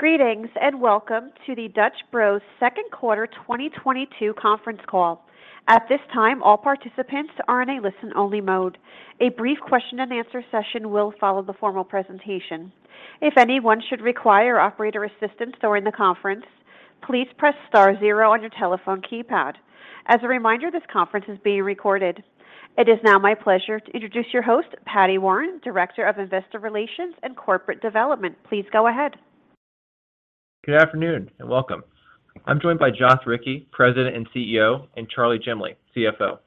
Greetings, and welcome to the Dutch Bros second quarter 2022 conference call. At this time, all participants are in a listen-only mode. A brief question and answer session will follow the formal presentation. If anyone should require operator assistance during the conference, please press star zero on your telephone keypad. As a reminder, this conference is being recorded. It is now my pleasure to introduce your host, Paddy Warren, Director of Investor Relations and Corporate Development. Please go ahead. Good afternoon, and welcome. I'm joined by Joth Ricci, President and CEO, and Charles Jemley, CFO.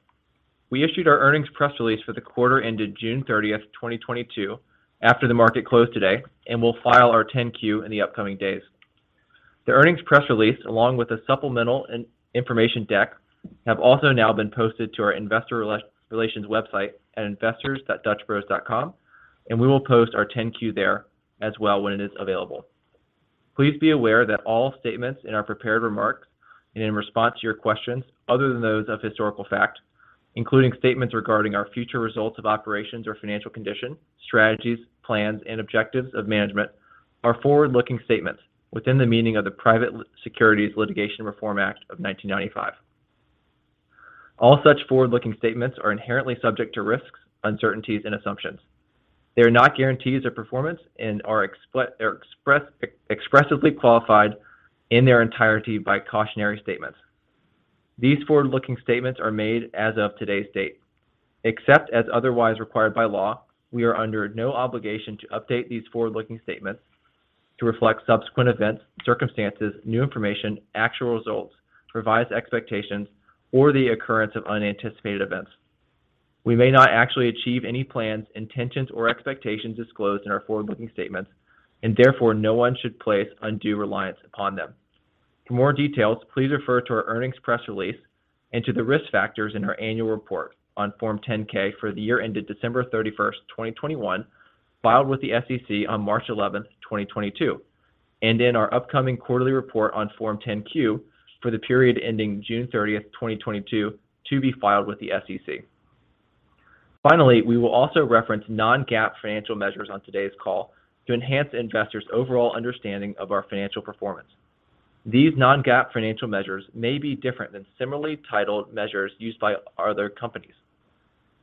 We issued our earnings press release for the quarter ending June 30, 2022 after the market closed today, and we'll file our 10-Q in the upcoming days. The earnings press release, along with a supplemental information deck, have also now been posted to our investor relations website at investors.dutchbros.com, and we will post our 10-Q there as well when it is available. Please be aware that all statements in our prepared remarks and in response to your questions, other than those of historical fact, including statements regarding our future results of operations or financial condition, strategies, plans, and objectives of management, are forward-looking statements within the meaning of the Private Securities Litigation Reform Act of 1995. All such forward-looking statements are inherently subject to risks, uncertainties, and assumptions. They are not guarantees of performance and are expressly qualified in their entirety by cautionary statements. These forward-looking statements are made as of today's date. Except as otherwise required by law, we are under no obligation to update these forward-looking statements to reflect subsequent events, circumstances, new information, actual results, revised expectations, or the occurrence of unanticipated events. We may not actually achieve any plans, intentions, or expectations disclosed in our forward-looking statements, and therefore, no one should place undue reliance upon them. For more details, please refer to our earnings press release and to the risk factors in our annual report on Form 10-K for the year ended December 31, 2021, filed with the SEC on March 11, 2022, and in our upcoming quarterly report on Form 10-Q for the period ending June 30, 2022, to be filed with the SEC. Finally, we will also reference non-GAAP financial measures on today's call to enhance investors' overall understanding of our financial performance. These non-GAAP financial measures may be different than similarly titled measures used by other companies.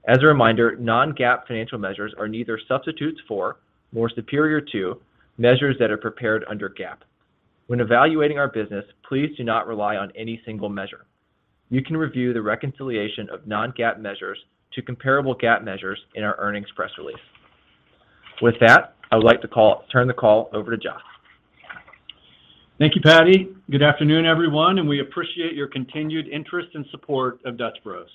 As a reminder, non-GAAP financial measures are neither substitutes for, nor superior to, measures that are prepared under GAAP. When evaluating our business, please do not rely on any single measure. You can review the reconciliation of non-GAAP measures to comparable GAAP measures in our earnings press release. With that, I would like to turn the call over to Joth. Thank you, Paddy. Good afternoon, everyone, and we appreciate your continued interest and support of Dutch Bros.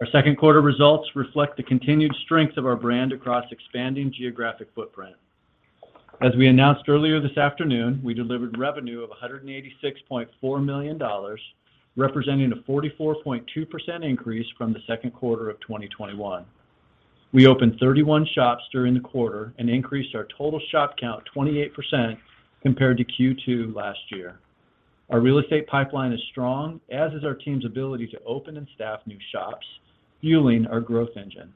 Our second quarter results reflect the continued strength of our brand across expanding geographic footprint. As we announced earlier this afternoon, we delivered revenue of $186.4 million, representing a 44.2% increase from the second quarter of 2021. We opened 31 shops during the quarter and increased our total shop count 28% compared to Q2 last year. Our real estate pipeline is strong, as is our team's ability to open and staff new shops, fueling our growth engine.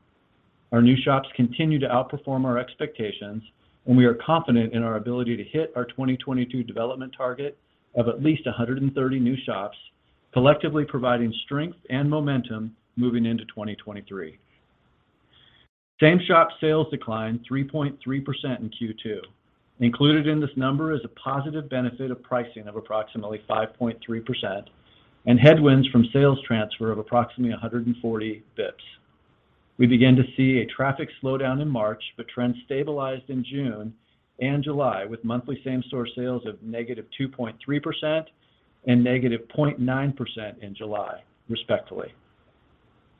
Our new shops continue to outperform our expectations, and we are confident in our ability to hit our 2022 development target of at least 130 new shops, collectively providing strength and momentum moving into 2023. Same-store sales declined 3.3% in Q2. Included in this number is a positive benefit of pricing of approximately 5.3% and headwinds from sales transfer of approximately 140 bps. We began to see a traffic slowdown in March, but trends stabilized in June and July, with monthly same-store sales of -2.3% and -0.9% in July, respectively.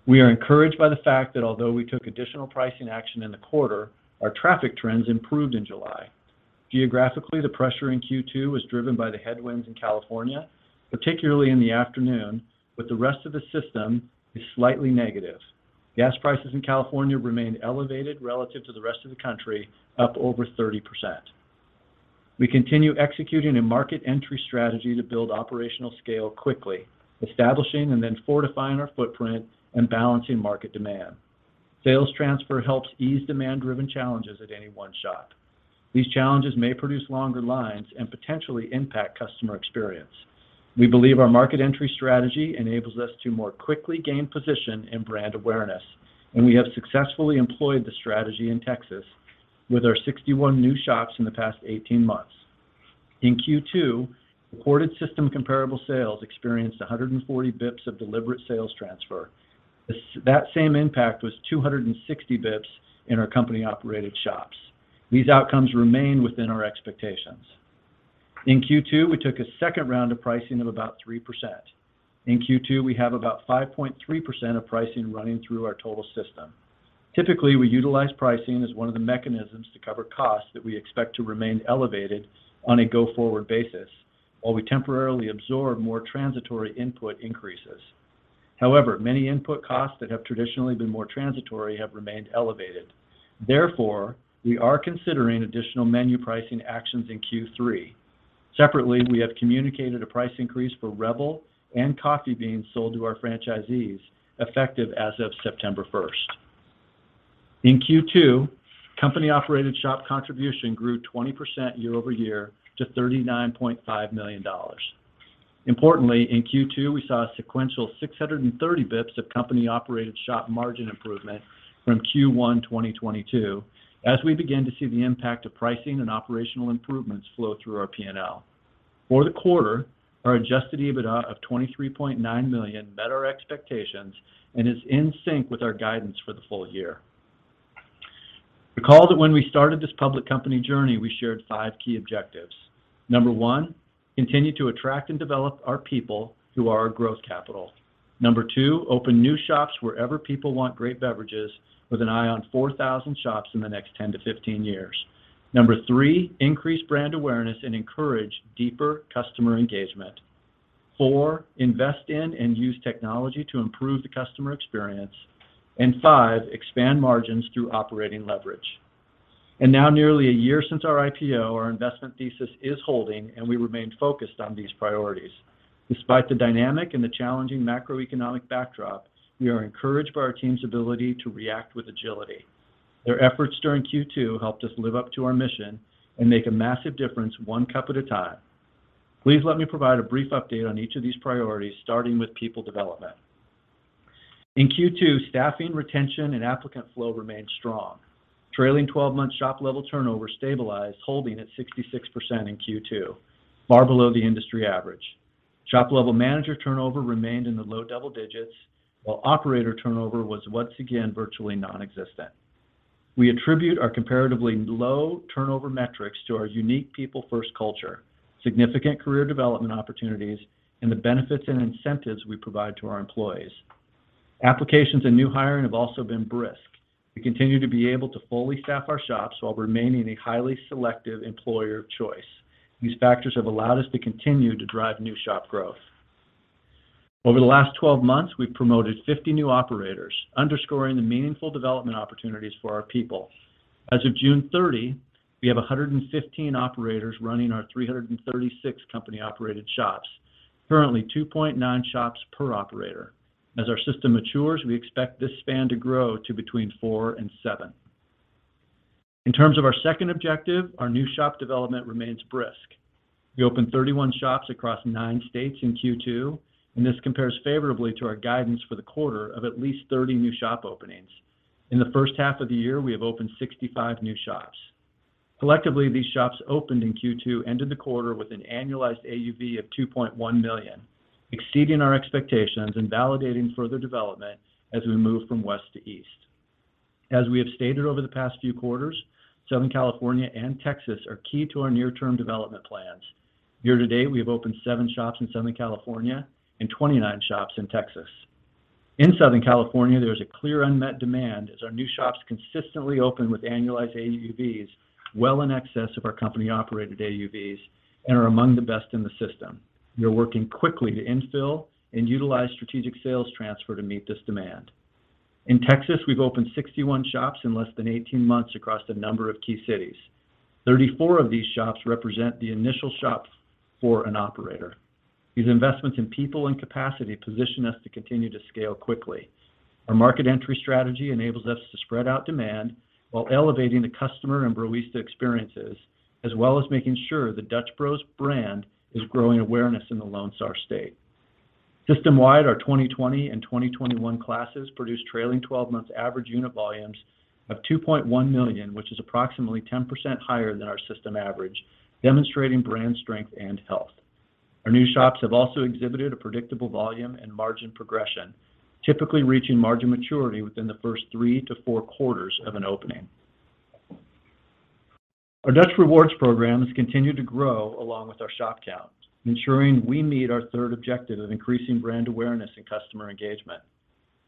We are encouraged by the fact that although we took additional pricing action in the quarter, our traffic trends improved in July. Geographically, the pressure in Q2 was driven by the headwinds in California, particularly in the afternoon, but the rest of the system is slightly negative. Gas prices in California remain elevated relative to the rest of the country, up over 30%. We continue executing a market entry strategy to build operational scale quickly, establishing and then fortifying our footprint and balancing market demand. Sales transfer helps ease demand-driven challenges at any one shop. These challenges may produce longer lines and potentially impact customer experience. We believe our market entry strategy enables us to more quickly gain position and brand awareness, and we have successfully employed the strategy in Texas with our 61 new shops in the past 18 months. In Q2, reported system comparable sales experienced 140 bps of deliberate sales transfer. That same impact was 260 bps in our company-operated shops. These outcomes remain within our expectations. In Q2, we took a second round of pricing of about 3%. In Q2, we have about 5.3% of pricing running through our total system. Typically, we utilize pricing as one of the mechanisms to cover costs that we expect to remain elevated on a go-forward basis while we temporarily absorb more transitory input increases. However, many input costs that have traditionally been more transitory have remained elevated. Therefore, we are considering additional menu pricing actions in Q3. Separately, we have communicated a price increase for Rebel and coffee beans sold to our franchisees, effective as of September first. In Q2, company-operated shop contribution grew 20% year-over-year to $39.5 million. Importantly, in Q2, we saw a sequential 630 basis points of company-operated shop margin improvement from Q1 2022 as we begin to see the impact of pricing and operational improvements flow through our P&L. For the quarter, our adjusted EBITDA of $23.9 million met our expectations and is in sync with our guidance for the full year. Recall that when we started this public company journey, we shared five key objectives. Number one, continue to attract and develop our people who are our growth capital. Number two, open new shops wherever people want great beverages with an eye on 4,000 shops in the next 10-15 years. Number three, increase brand awareness and encourage deeper customer engagement. Four, invest in and use technology to improve the customer experience. Five, expand margins through operating leverage. Now nearly a year since our IPO, our investment thesis is holding, and we remain focused on these priorities. Despite the dynamic and the challenging macroeconomic backdrop, we are encouraged by our team's ability to react with agility. Their efforts during Q2 helped us live up to our mission and make a massive difference one cup at a time. Please let me provide a brief update on each of these priorities, starting with people development. In Q2, staffing, retention, and applicant flow remained strong. Trailing 12-month shop level turnover stabilized, holding at 66% in Q2, far below the industry average. Shop level manager turnover remained in the low double digits, while operator turnover was once again virtually nonexistent. We attribute our comparatively low turnover metrics to our unique people first culture, significant career development opportunities, and the benefits and incentives we provide to our employees. Applications and new hiring have also been brisk. We continue to be able to fully staff our shops while remaining a highly selective employer of choice. These factors have allowed us to continue to drive new shop growth. Over the last 12 months, we've promoted 50 new operators, underscoring the meaningful development opportunities for our people. As of June 30, we have 115 operators running our 336 company-operated shops, currently 2.9 shops per operator. As our system matures, we expect this span to grow to between four and seven. In terms of our second objective, our new shop development remains brisk. We opened 31 shops across nine states in Q2, and this compares favorably to our guidance for the quarter of at least 30 new shop openings. In the first half of the year, we have opened 65 new shops. Collectively, these shops opened in Q2 ended the quarter with an annualized AUV of $2.1 million, exceeding our expectations and validating further development as we move from west to east. As we have stated over the past few quarters, Southern California and Texas are key to our near term development plans. Year to date, we have opened seven shops in Southern California and 29 shops in Texas. In Southern California, there is a clear unmet demand as our new shops consistently open with annualized AUVs well in excess of our company operated AUVs and are among the best in the system. We are working quickly to infill and utilize strategic sales transfer to meet this demand. In Texas, we've opened 61 shops in less than 18 months across a number of key cities. 34 of these shops represent the initial shops for an operator. These investments in people and capacity position us to continue to scale quickly. Our market entry strategy enables us to spread out demand while elevating the customer and Broista experiences, as well as making sure the Dutch Bros brand is growing awareness in the Lone Star State. System-wide, our 2020 and 2021 classes produced trailing twelve months average unit volumes of $2.1 million, which is approximately 10% higher than our system average, demonstrating brand strength and health. Our new shops have also exhibited a predictable volume and margin progression, typically reaching margin maturity within the first 3-4 quarters of an opening. Our Dutch Rewards programs continue to grow along with our shop count, ensuring we meet our third objective of increasing brand awareness and customer engagement.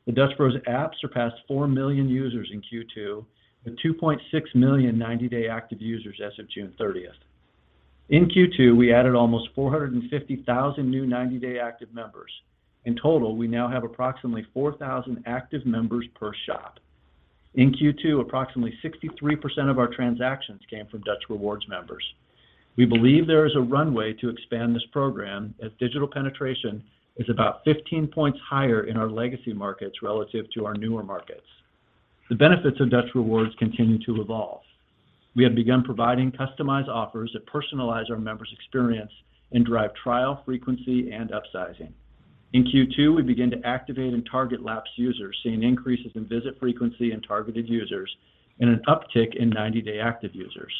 The Dutch Bros app surpassed 4 million users in Q2, with 2.6 million 90-day active users as of June 30. In Q2, we added almost 450,000 new 90-day active members. In total, we now have approximately 4,000 active members per shop. In Q2, approximately 63% of our transactions came from Dutch Rewards members. We believe there is a runway to expand this program as digital penetration is about 15 points higher in our legacy markets relative to our newer markets. The benefits of Dutch Rewards continue to evolve. We have begun providing customized offers that personalize our members' experience and drive trial frequency and upsizing. In Q2, we began to activate and target lapsed users, seeing increases in visit frequency in targeted users and an uptick in 90-day active users.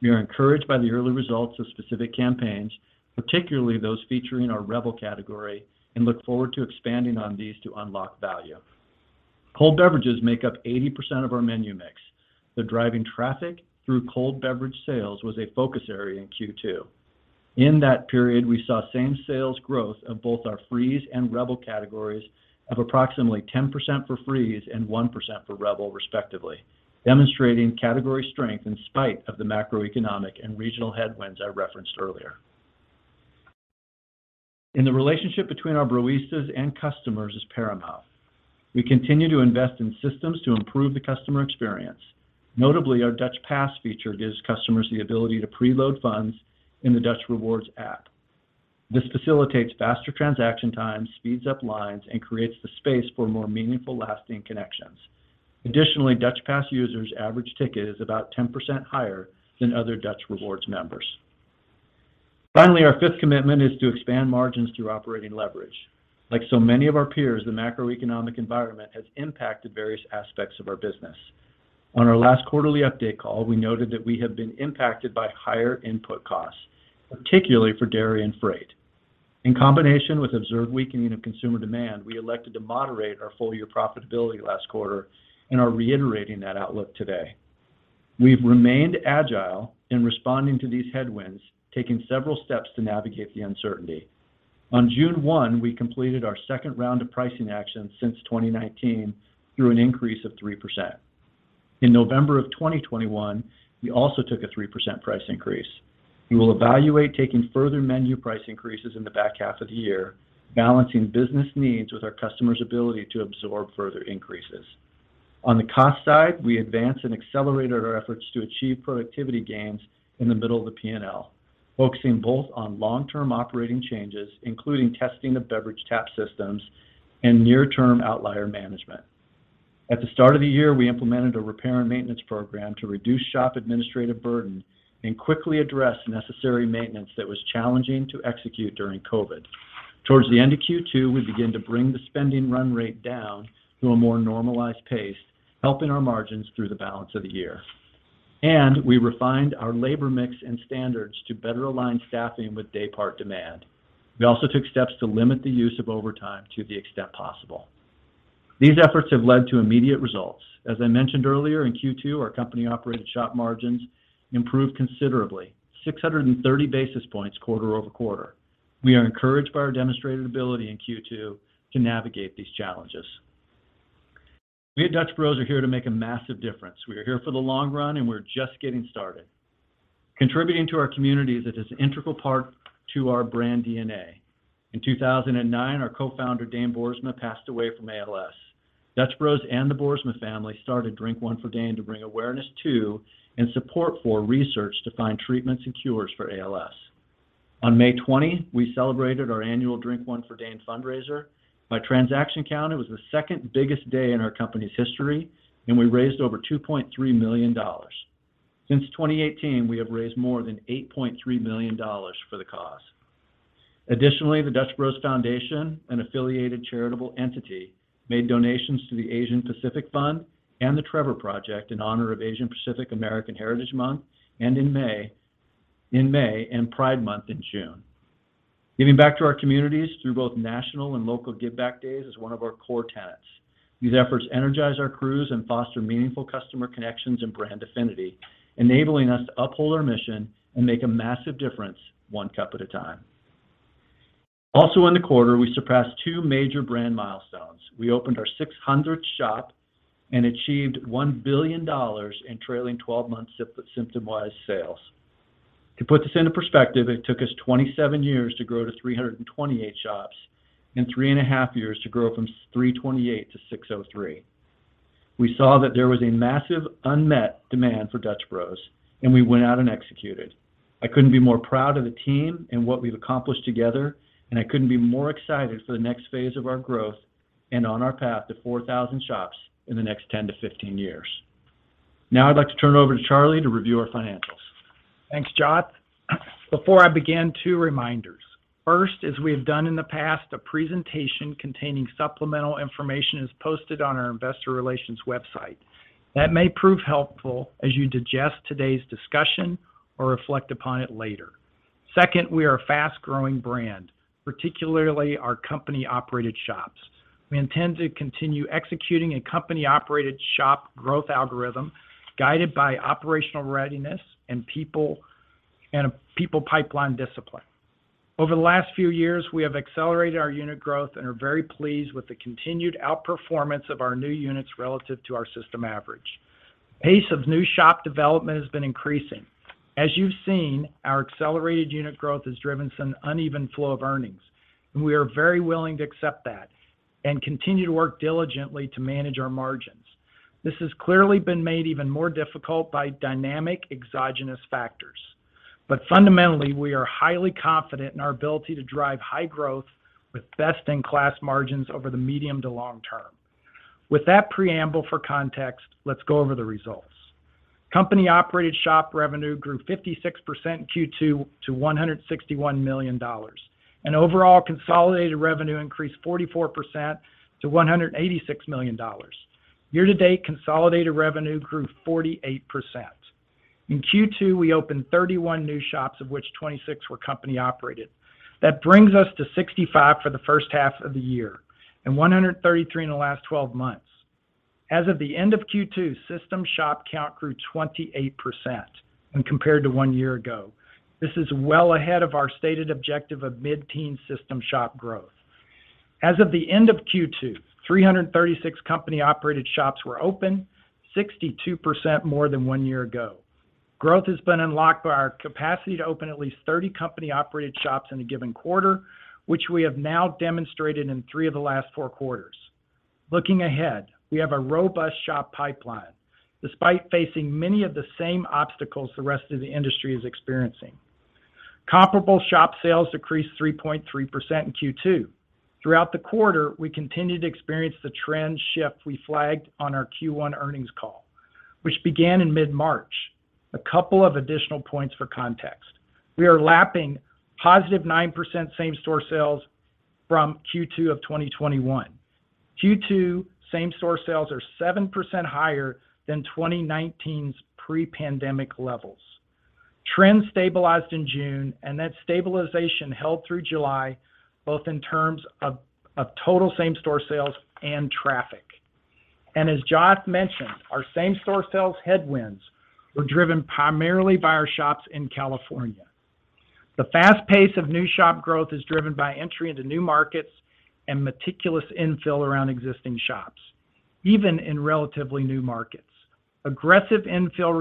We are encouraged by the early results of specific campaigns, particularly those featuring our Rebel category, and look forward to expanding on these to unlock value. Cold beverages make up 80% of our menu mix. The driving traffic through cold beverage sales was a focus area in Q2. In that period, we saw same-store sales growth of both our Freeze and Rebel categories of approximately 10% for Freeze and 1% for Rebel, respectively, demonstrating category strength in spite of the macroeconomic and regional headwinds I referenced earlier. The relationship between our Broistas and customers is paramount. We continue to invest in systems to improve the customer experience. Notably, our Dutch Pass feature gives customers the ability to preload funds in the Dutch Rewards app. This facilitates faster transaction times, speeds up lines, and creates the space for more meaningful, lasting connections. Additionally, Dutch Pass users average ticket is about 10% higher than other Dutch Rewards members. Finally, our fifth commitment is to expand margins through operating leverage. Like so many of our peers, the macroeconomic environment has impacted various aspects of our business. On our last quarterly update call, we noted that we have been impacted by higher input costs, particularly for dairy and freight. In combination with observed weakening of consumer demand, we elected to moderate our full year profitability last quarter and are reiterating that outlook today. We've remained agile in responding to these headwinds, taking several steps to navigate the uncertainty. On June 1, we completed our second round of pricing actions since 2019 through an increase of 3%. In November of 2021, we also took a 3% price increase. We will evaluate taking further menu price increases in the back half of the year, balancing business needs with our customers' ability to absorb further increases. On the cost side, we advanced and accelerated our efforts to achieve productivity gains in the middle of the PNL, focusing both on long-term operating changes, including testing of beverage tap systems and near term outlier management. At the start of the year, we implemented a repair and maintenance program to reduce shop administrative burden and quickly address necessary maintenance that was challenging to execute during COVID. Towards the end of Q2, we began to bring the spending run rate down to a more normalized pace, helping our margins through the balance of the year. We refined our labor mix and standards to better align staffing with day part demand. We also took steps to limit the use of overtime to the extent possible. These efforts have led to immediate results. As I mentioned earlier, in Q2, our company-operated shop margins improved considerably, 630 basis points quarter-over-quarter. We are encouraged by our demonstrated ability in Q2 to navigate these challenges. We at Dutch Bros are here to make a massive difference. We are here for the long run, and we're just getting started. Contributing to our communities is an integral part to our brand DNA. In 2009, our co-founder, Dane Boersma, passed away from ALS. Dutch Bros and the Boersma family started Drink One for Dane to bring awareness to and support for research to find treatments and cures for ALS. On May 20, we celebrated our annual Drink One for Dane fundraiser. By transaction count, it was the second biggest day in our company's history, and we raised over $2.3 million. Since 2018, we have raised more than $8.3 million for the cause. Additionally, the Dutch Bros Foundation, an affiliated charitable entity, made donations to the Asian Pacific Fund and the Trevor Project in honor of Asian American and Pacific Islander Heritage Month, and in May and Pride Month in June. Giving back to our communities through both national and local give back days is one of our core tenets. These efforts energize our crews and foster meaningful customer connections and brand affinity, enabling us to uphold our mission and make a massive difference one cup at a time. Also in the quarter, we surpassed two major brand milestones. We opened our 600th shop and achieved $1 billion in trailing twelve months of system-wide sales. To put this into perspective, it took us 27 years to grow to 328 shops and 3.5 years to grow from 328 to 603. We saw that there was a massive unmet demand for Dutch Bros, and we went out and executed. I couldn't be more proud of the team and what we've accomplished together, and I couldn't be more excited for the next phase of our growth and on our path to 4,000 shops in the next 10-15 years. Now I'd like to turn it over to Charlie to review our financials. Thanks, Joth. Before I begin, two reminders. First, as we have done in the past, a presentation containing supplemental information is posted on our investor relations website. That may prove helpful as you digest today's discussion or reflect upon it later. Second, we are a fast-growing brand, particularly our company-operated shops. We intend to continue executing a company-operated shop growth algorithm guided by operational readiness and people, and a people pipeline discipline. Over the last few years, we have accelerated our unit growth and are very pleased with the continued outperformance of our new units relative to our system average. Pace of new shop development has been increasing. As you've seen, our accelerated unit growth has driven some uneven flow of earnings, and we are very willing to accept that and continue to work diligently to manage our margins. This has clearly been made even more difficult by dynamic exogenous factors. Fundamentally, we are highly confident in our ability to drive high growth with best-in-class margins over the medium to long term. With that preamble for context, let's go over the results. Company-operated shop revenue grew 56% in Q2 to $161 million. Overall consolidated revenue increased 44% to $186 million. Year to date, consolidated revenue grew 48%. In Q2, we opened 31 new shops, of which 26 were company operated. That brings us to 65 for the first half of the year and 133 in the last twelve months. As of the end of Q2, system shop count grew 28% when compared to one year ago. This is well ahead of our stated objective of mid-teen system shop growth. As of the end of Q2, 336 company-operated shops were open, 62% more than one year ago. Growth has been unlocked by our capacity to open at least 30 company-operated shops in a given quarter, which we have now demonstrated in three of the last four quarters. Looking ahead, we have a robust shop pipeline despite facing many of the same obstacles the rest of the industry is experiencing. Comparable shop sales decreased 3.3% in Q2. Throughout the quarter, we continued to experience the trend shift we flagged on our Q1 earnings call, which began in mid-March. A couple of additional points for context. We are lapping positive 9% same-store sales from Q2 of 2021. Q2 same-store sales are 7% higher than 2019's pre-pandemic levels. Trends stabilized in June, and that stabilization held through July, both in terms of total same-store sales and traffic. As Joth mentioned, our same-store sales headwinds were driven primarily by our shops in California. The fast pace of new shop growth is driven by entry into new markets and meticulous infill around existing shops, even in relatively new markets. Aggressive infill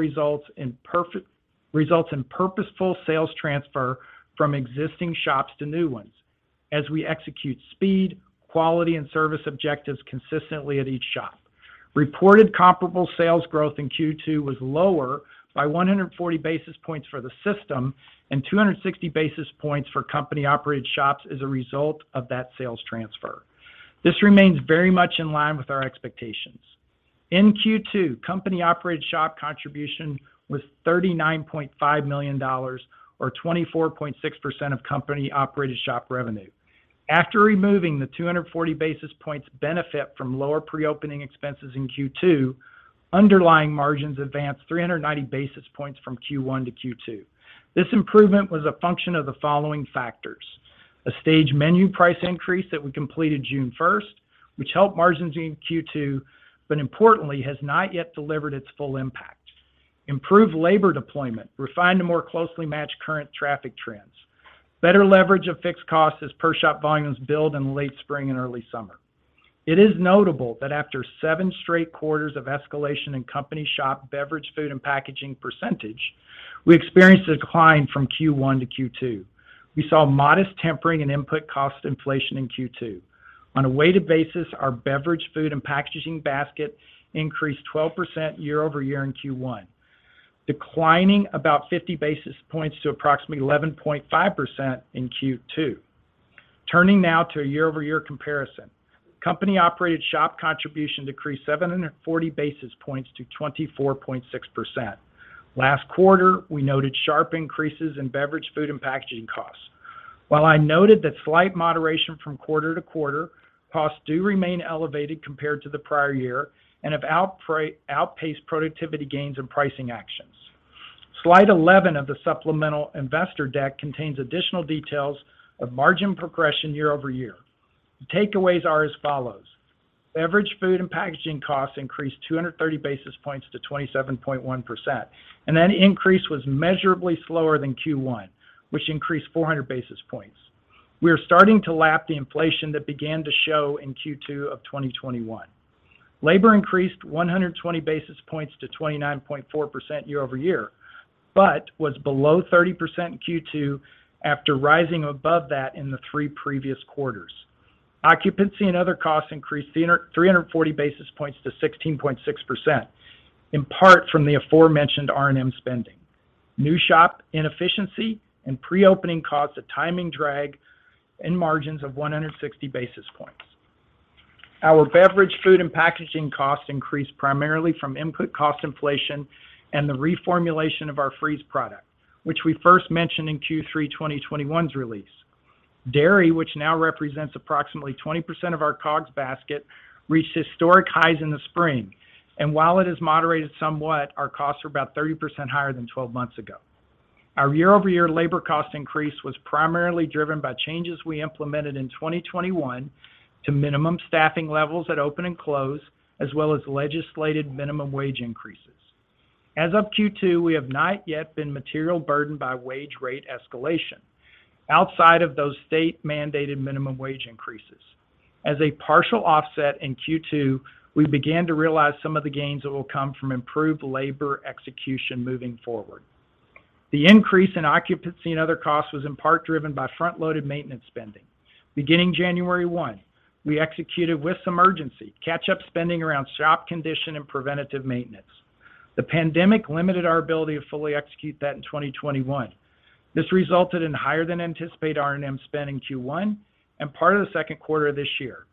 results in purposeful sales transfer from existing shops to new ones as we execute speed, quality, and service objectives consistently at each shop. Reported comparable sales growth in Q2 was lower by 140 basis points for the system and 260 basis points for company-operated shops as a result of that sales transfer. This remains very much in line with our expectations. In Q2, company-operated shop contribution was $39.5 million or 24.6% of company-operated shop revenue. After removing the 240 basis points benefit from lower pre-opening expenses in Q2, underlying margins advanced 390 basis points from Q1 to Q2. This improvement was a function of the following factors. A stage menu price increase that we completed June first, which helped margins in Q2, but importantly, has not yet delivered its full impact. Improved labor deployment, refined to more closely match current traffic trends. Better leverage of fixed costs as per-shop volumes built in late spring and early summer. It is notable that after seven straight quarters of escalation in company shop beverage, food, and packaging percentage, we experienced a decline from Q1 to Q2. We saw modest tempering in input cost inflation in Q2. On a weighted basis, our beverage, food, and packaging basket increased 12% year-over-year in Q1, declining about 50 basis points to approximately 11.5% in Q2. Turning now to a year-over-year comparison. Company-operated shop contribution decreased 740 basis points to 24.6%. Last quarter, we noted sharp increases in beverage, food, and packaging costs. While I noted that slight moderation from quarter-to-quarter, costs do remain elevated compared to the prior year and have outpaced productivity gains and pricing actions. Slide 11 of the supplemental investor deck contains additional details of margin progression year-over-year. The takeaways are as follows. Beverage, food, and packaging costs increased 230 basis points to 27.1%, and that increase was measurably slower than Q1, which increased 400 basis points. We are starting to lap the inflation that began to show in Q2 of 2021. Labor increased 120 basis points to 29.4% year over year, but was below 30% in Q2 after rising above that in the three previous quarters. Occupancy and other costs increased 340 basis points to 16.6%, in part from the aforementioned R&M spending. New shop inefficiency and pre-opening costs, a timing drag in margins of 160 basis points. Our beverage, food, and packaging costs increased primarily from input cost inflation and the reformulation of our Freeze product, which we first mentioned in Q3 2021's release. Dairy, which now represents approximately 20% of our COGS basket, reached historic highs in the spring. While it has moderated somewhat, our costs are about 30% higher than 12 months ago. Our year-over-year labor cost increase was primarily driven by changes we implemented in 2021 to minimum staffing levels at open and close, as well as legislated minimum wage increases. As of Q2, we have not yet been materially burdened by wage rate escalation outside of those state-mandated minimum wage increases. As a partial offset in Q2, we began to realize some of the gains that will come from improved labor execution moving forward. The increase in occupancy and other costs was in part driven by front-loaded maintenance spending. Beginning January 1, we executed with some urgency catch-up spending around shop condition and preventative maintenance. The pandemic limited our ability to fully execute that in 2021. This resulted in higher than anticipated R&M spend in Q1 and part of the second quarter of this year.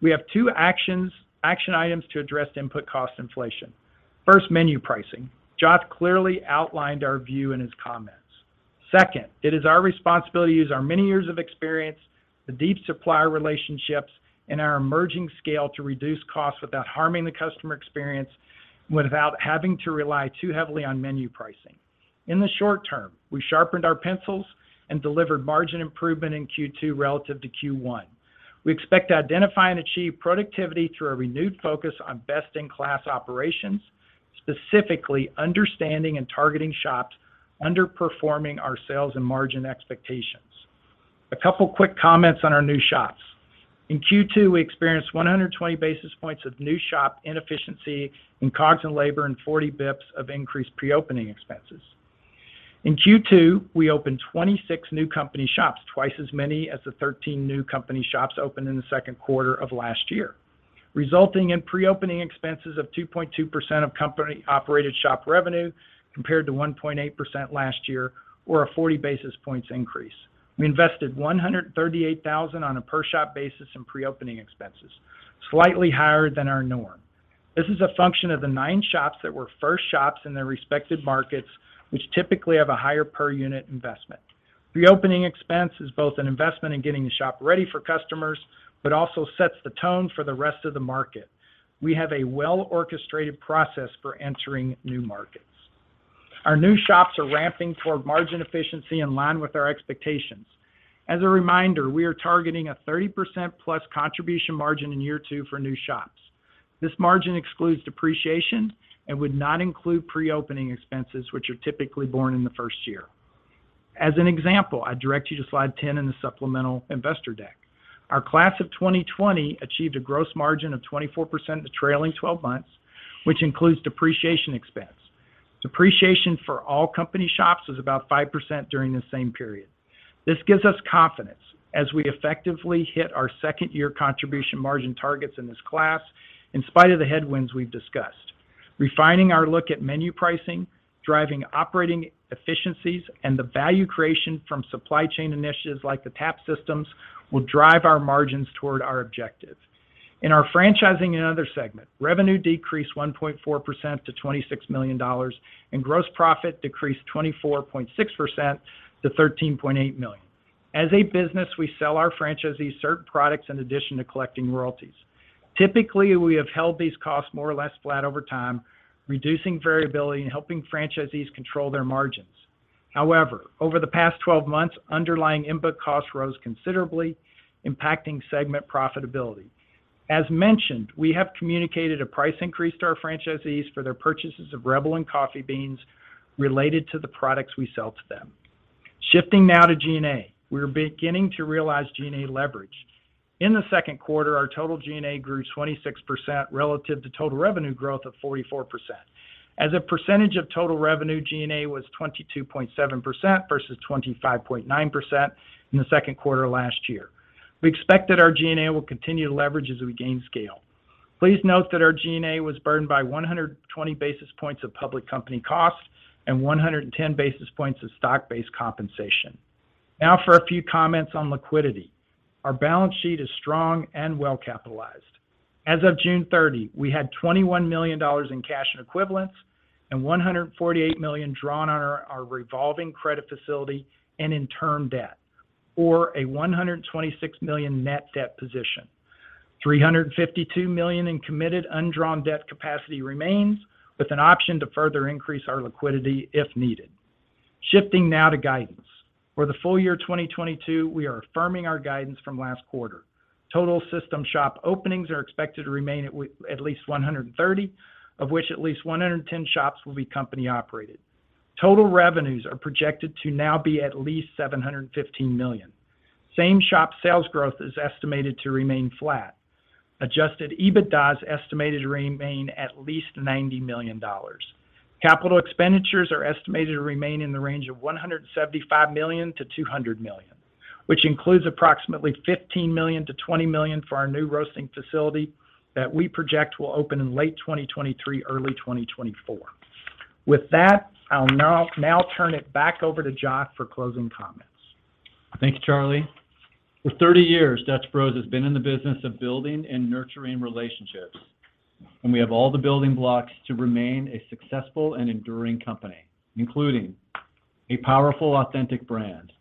We have two action items to address input cost inflation. First, menu pricing. Joth clearly outlined our view in his comments. Second, it is our responsibility to use our many years of experience, the deep supplier relationships, and our emerging scale to reduce costs without harming the customer experience without having to rely too heavily on menu pricing. In the short term, we sharpened our pencils and delivered margin improvement in Q2 relative to Q1. We expect to identify and achieve productivity through a renewed focus on best-in-class operations, specifically understanding and targeting shops underperforming our sales and margin expectations. A couple quick comments on our new shops. In Q2, we experienced 120 basis points of new shop inefficiency in COGS and labor, and 40 basis points of increased pre-opening expenses. In Q2, we opened 26 new company shops, twice as many as the 13 new company shops opened in the second quarter of last year, resulting in pre-opening expenses of 2.2% of company-operated shop revenue compared to 1.8% last year, or a 40 basis points increase. We invested $138,000 on a per shop basis in pre-opening expenses, slightly higher than our norm. This is a function of the nine shops that were first shops in their respective markets, which typically have a higher per unit investment. The opening expense is both an investment in getting the shop ready for customers, but also sets the tone for the rest of the market. We have a well-orchestrated process for entering new markets. Our new shops are ramping toward margin efficiency in line with our expectations. As a reminder, we are targeting a 30%+ contribution margin in year two for new shops. This margin excludes depreciation and would not include pre-opening expenses, which are typically borne in the first year. As an example, I direct you to slide 10 in the supplemental investor deck. Our class of 2020 achieved a gross margin of 24% in the trailing twelve months, which includes depreciation expense. Depreciation for all company shops was about 5% during the same period. This gives us confidence as we effectively hit our second year contribution margin targets in this class, in spite of the headwinds we've discussed. Refining our look at menu pricing, driving operating efficiencies, and the value creation from supply chain initiatives like the tap systems will drive our margins toward our objective. In our franchising and other segment, revenue decreased 1.4% to $26 million, and gross profit decreased 24.6% to $13.8 million. As a business, we sell our franchisees certain products in addition to collecting royalties. Typically, we have held these costs more or less flat over time, reducing variability and helping franchisees control their margins. However, over the past 12 months, underlying input costs rose considerably, impacting segment profitability. As mentioned, we have communicated a price increase to our franchisees for their purchases of Rebel and coffee beans related to the products we sell to them. Shifting now to G&A. We are beginning to realize G&A leverage. In the second quarter, our total G&A grew 26% relative to total revenue growth of 44%. As a percentage of total revenue, G&A was 22.7% versus 25.9% in the second quarter last year. We expect that our G&A will continue to leverage as we gain scale. Please note that our G&A was burdened by 120 basis points of public company costs and 110 basis points of stock-based compensation. Now for a few comments on liquidity. Our balance sheet is strong and well capitalized. As of June 30, we had $21 million in cash and equivalents and $148 million drawn on our revolving credit facility and term debt, or a $126 million net debt position. $352 million in committed undrawn debt capacity remains, with an option to further increase our liquidity if needed. Shifting now to guidance. For the full year 2022, we are affirming our guidance from last quarter. Total system shop openings are expected to remain at least 130, of which at least 110 shops will be company operated. Total revenues are projected to now be at least $715 million. Same-store sales growth is estimated to remain flat. Adjusted EBITDA is estimated to remain at least $90 million. Capital expenditures are estimated to remain in the range of $175 million-$200 million, which includes approximately $15 million-$20 million for our new roasting facility that we project will open in late 2023, early 2024. With that, I'll now turn it back over to Joth for closing comments. Thank you, Charlie. For 30 years, Dutch Bros has been in the business of building and nurturing relationships, and we have all the building blocks to remain a successful and enduring company, including a powerful, authentic brand,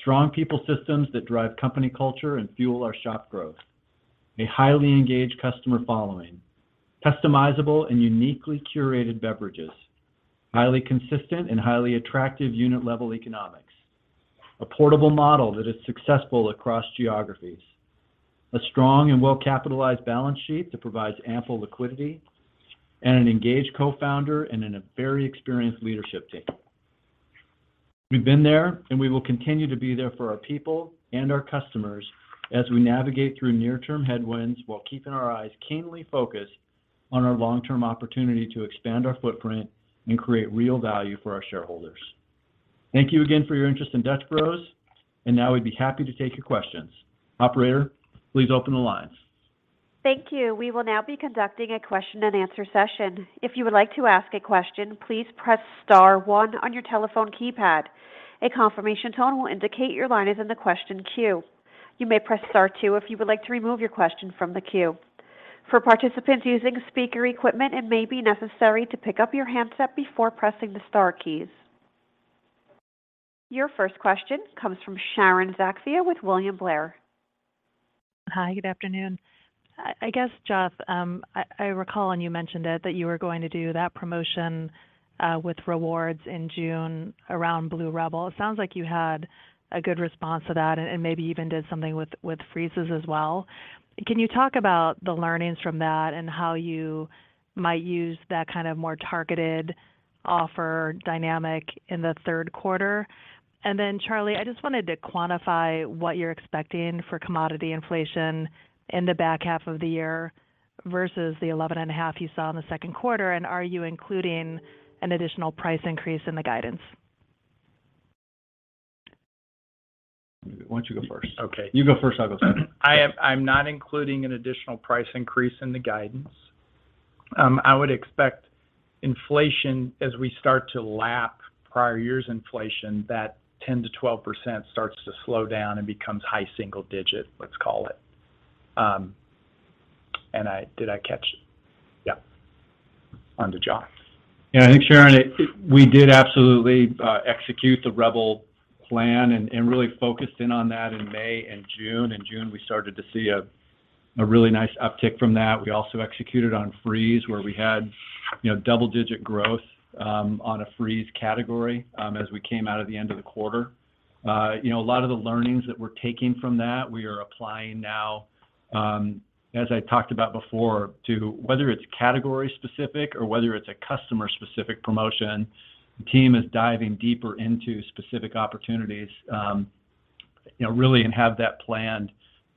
strong people systems that drive company culture and fuel our shop growth, a highly engaged customer following. Customizable and uniquely curated beverages, highly consistent and highly attractive unit level economics, a portable model that is successful across geographies, a strong and well-capitalized balance sheet that provides ample liquidity, and an engaged co-founder and a very experienced leadership team. We've been there, and we will continue to be there for our people and our customers as we navigate through near term headwinds while keeping our eyes keenly focused on our long-term opportunity to expand our footprint and create real value for our shareholders. Thank you again for your interest in Dutch Bros, and now we'd be happy to take your questions. Operator, please open the lines. Thank you. We will now be conducting a question and answer session. If you would like to ask a question, please press star one on your telephone keypad. A confirmation tone will indicate your line is in the question queue. You may press star two if you would like to remove your question from the queue. For participants using speaker equipment, it may be necessary to pick up your handset before pressing the star keys. Your first question comes from Sharon Zackfia with William Blair. Hi, good afternoon. I guess, Joth, I recall, and you mentioned it, that you were going to do that promotion with rewards in June around Blue Rebel. It sounds like you had a good response to that and maybe even did something with Freezes as well. Can you talk about the learnings from that and how you might use that kind of more targeted offer dynamic in the third quarter? Then, Charles, I just wanted to quantify what you're expecting for commodity inflation in the back half of the year versus the 11.5% you saw in the second quarter, and are you including an additional price increase in the guidance? Why don't you go first? Okay. You go first, I'll go second. I'm not including an additional price increase in the guidance. I would expect inflation as we start to lap prior years inflation, that 10%-12% starts to slow down and becomes high single-digit%, let's call it. Did I catch? Yeah. On to John. Yeah. I think, Sharon, we did absolutely execute the Rebel plan and really focused in on that in May and June. In June, we started to see a really nice uptick from that. We also executed on Freeze where we had, you know, double-digit growth on a Freeze category as we came out at the end of the quarter. You know, a lot of the learnings that we're taking from that we are applying now, as I talked about before, to whether it's category specific or whether it's a customer specific promotion, the team is diving deeper into specific opportunities, you know, really, and have that planned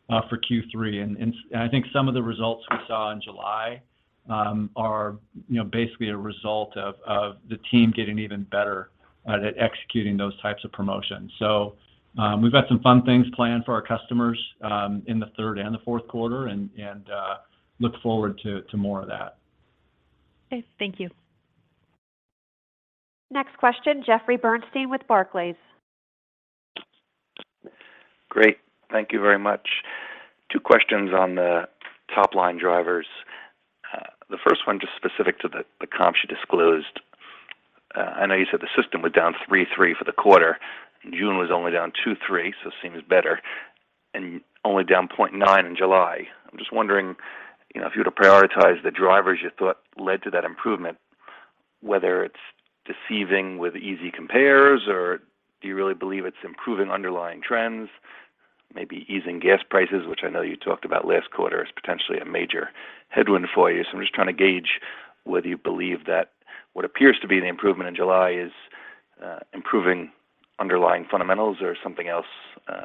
for Q3. I think some of the results we saw in July are, you know, basically a result of the team getting even better at executing those types of promotions. We've got some fun things planned for our customers in the third and the fourth quarter and look forward to more of that. Okay. Thank you. Next question, Jeffrey Bernstein with Barclays. Great. Thank you very much. Two questions on the top line drivers. The first one just specific to the comps you disclosed. I know you said the system was down 3.3% for the quarter, and June was only down 2.3%, so it seems better, and only down 0.9% in July. I'm just wondering, you know, if you were to prioritize the drivers you thought led to that improvement. Whether it's deceiving with easy compares or do you really believe it's improving underlying trends, maybe easing gas prices, which I know you talked about last quarter, is potentially a major headwind for you. I'm just trying to gauge whether you believe that what appears to be the improvement in July is improving underlying fundamentals or something else.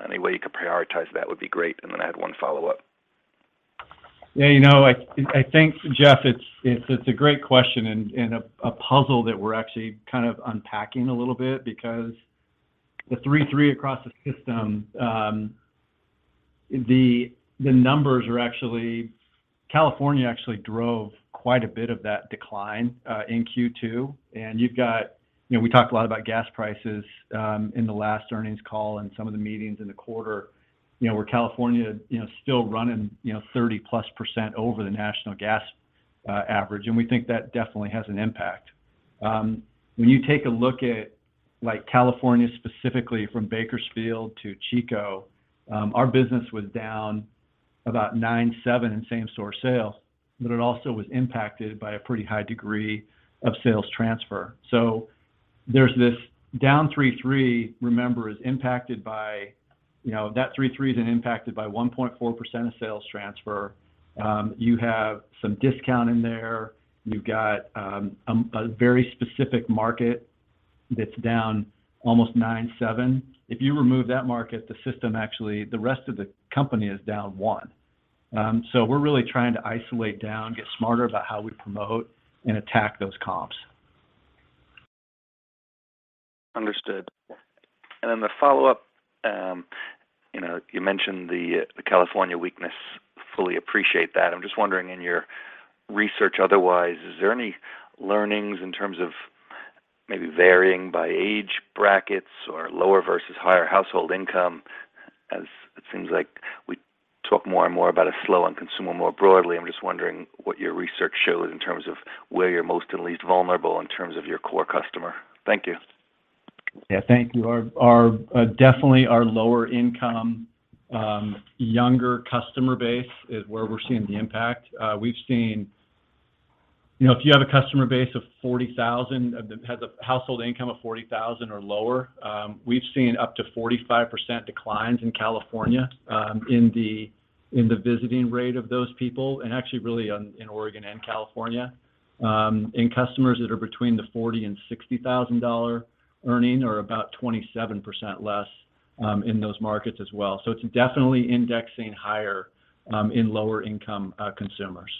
Any way you could prioritize that would be great. I had one follow-up. Yeah. You know, I think, Jeff, it's a great question and a puzzle that we're actually kind of unpacking a little bit because the 3.3% across the system, the numbers are actually. California actually drove quite a bit of that decline in Q2. You've got. You know, we talked a lot about gas prices in the last earnings call and some of the meetings in the quarter. You know, where California still running 30%+ over the national gas average, and we think that definitely has an impact. When you take a look at, like, California specifically from Bakersfield to Chico, our business was down about 9.7% in same-store sales. It also was impacted by a pretty high degree of sales transfer. There's this down 3.3, remember, is impacted by that 3.3 is then impacted by 1.4% of sales transfer. You have some discount in there. You've got a very specific market that's down almost 9.7%. If you remove that market, the system actually the rest of the company is down 1%. We're really trying to isolate down, get smarter about how we promote, and attack those comps. Understood. The follow-up, you know, you mentioned the California weakness. Fully appreciate that. I'm just wondering in your research otherwise, is there any learnings in terms of maybe varying by age brackets or lower versus higher household income, as it seems like we talk more and more about a slowdown in consumer more broadly. I'm just wondering what your research shows in terms of where you're most and least vulnerable in terms of your core customer. Thank you. Yeah. Thank you. Our definitely lower income younger customer base is where we're seeing the impact. We've seen. You know, if you have a customer base of 40,000 has a household income of $40,000 or lower, we've seen up to 45% declines in California, in the visiting rate of those people, and actually really in Oregon and California. In customers that are between the $40,000 and $60,000 dollar earning are about 27% less, in those markets as well. It's definitely indexing higher in lower income consumers.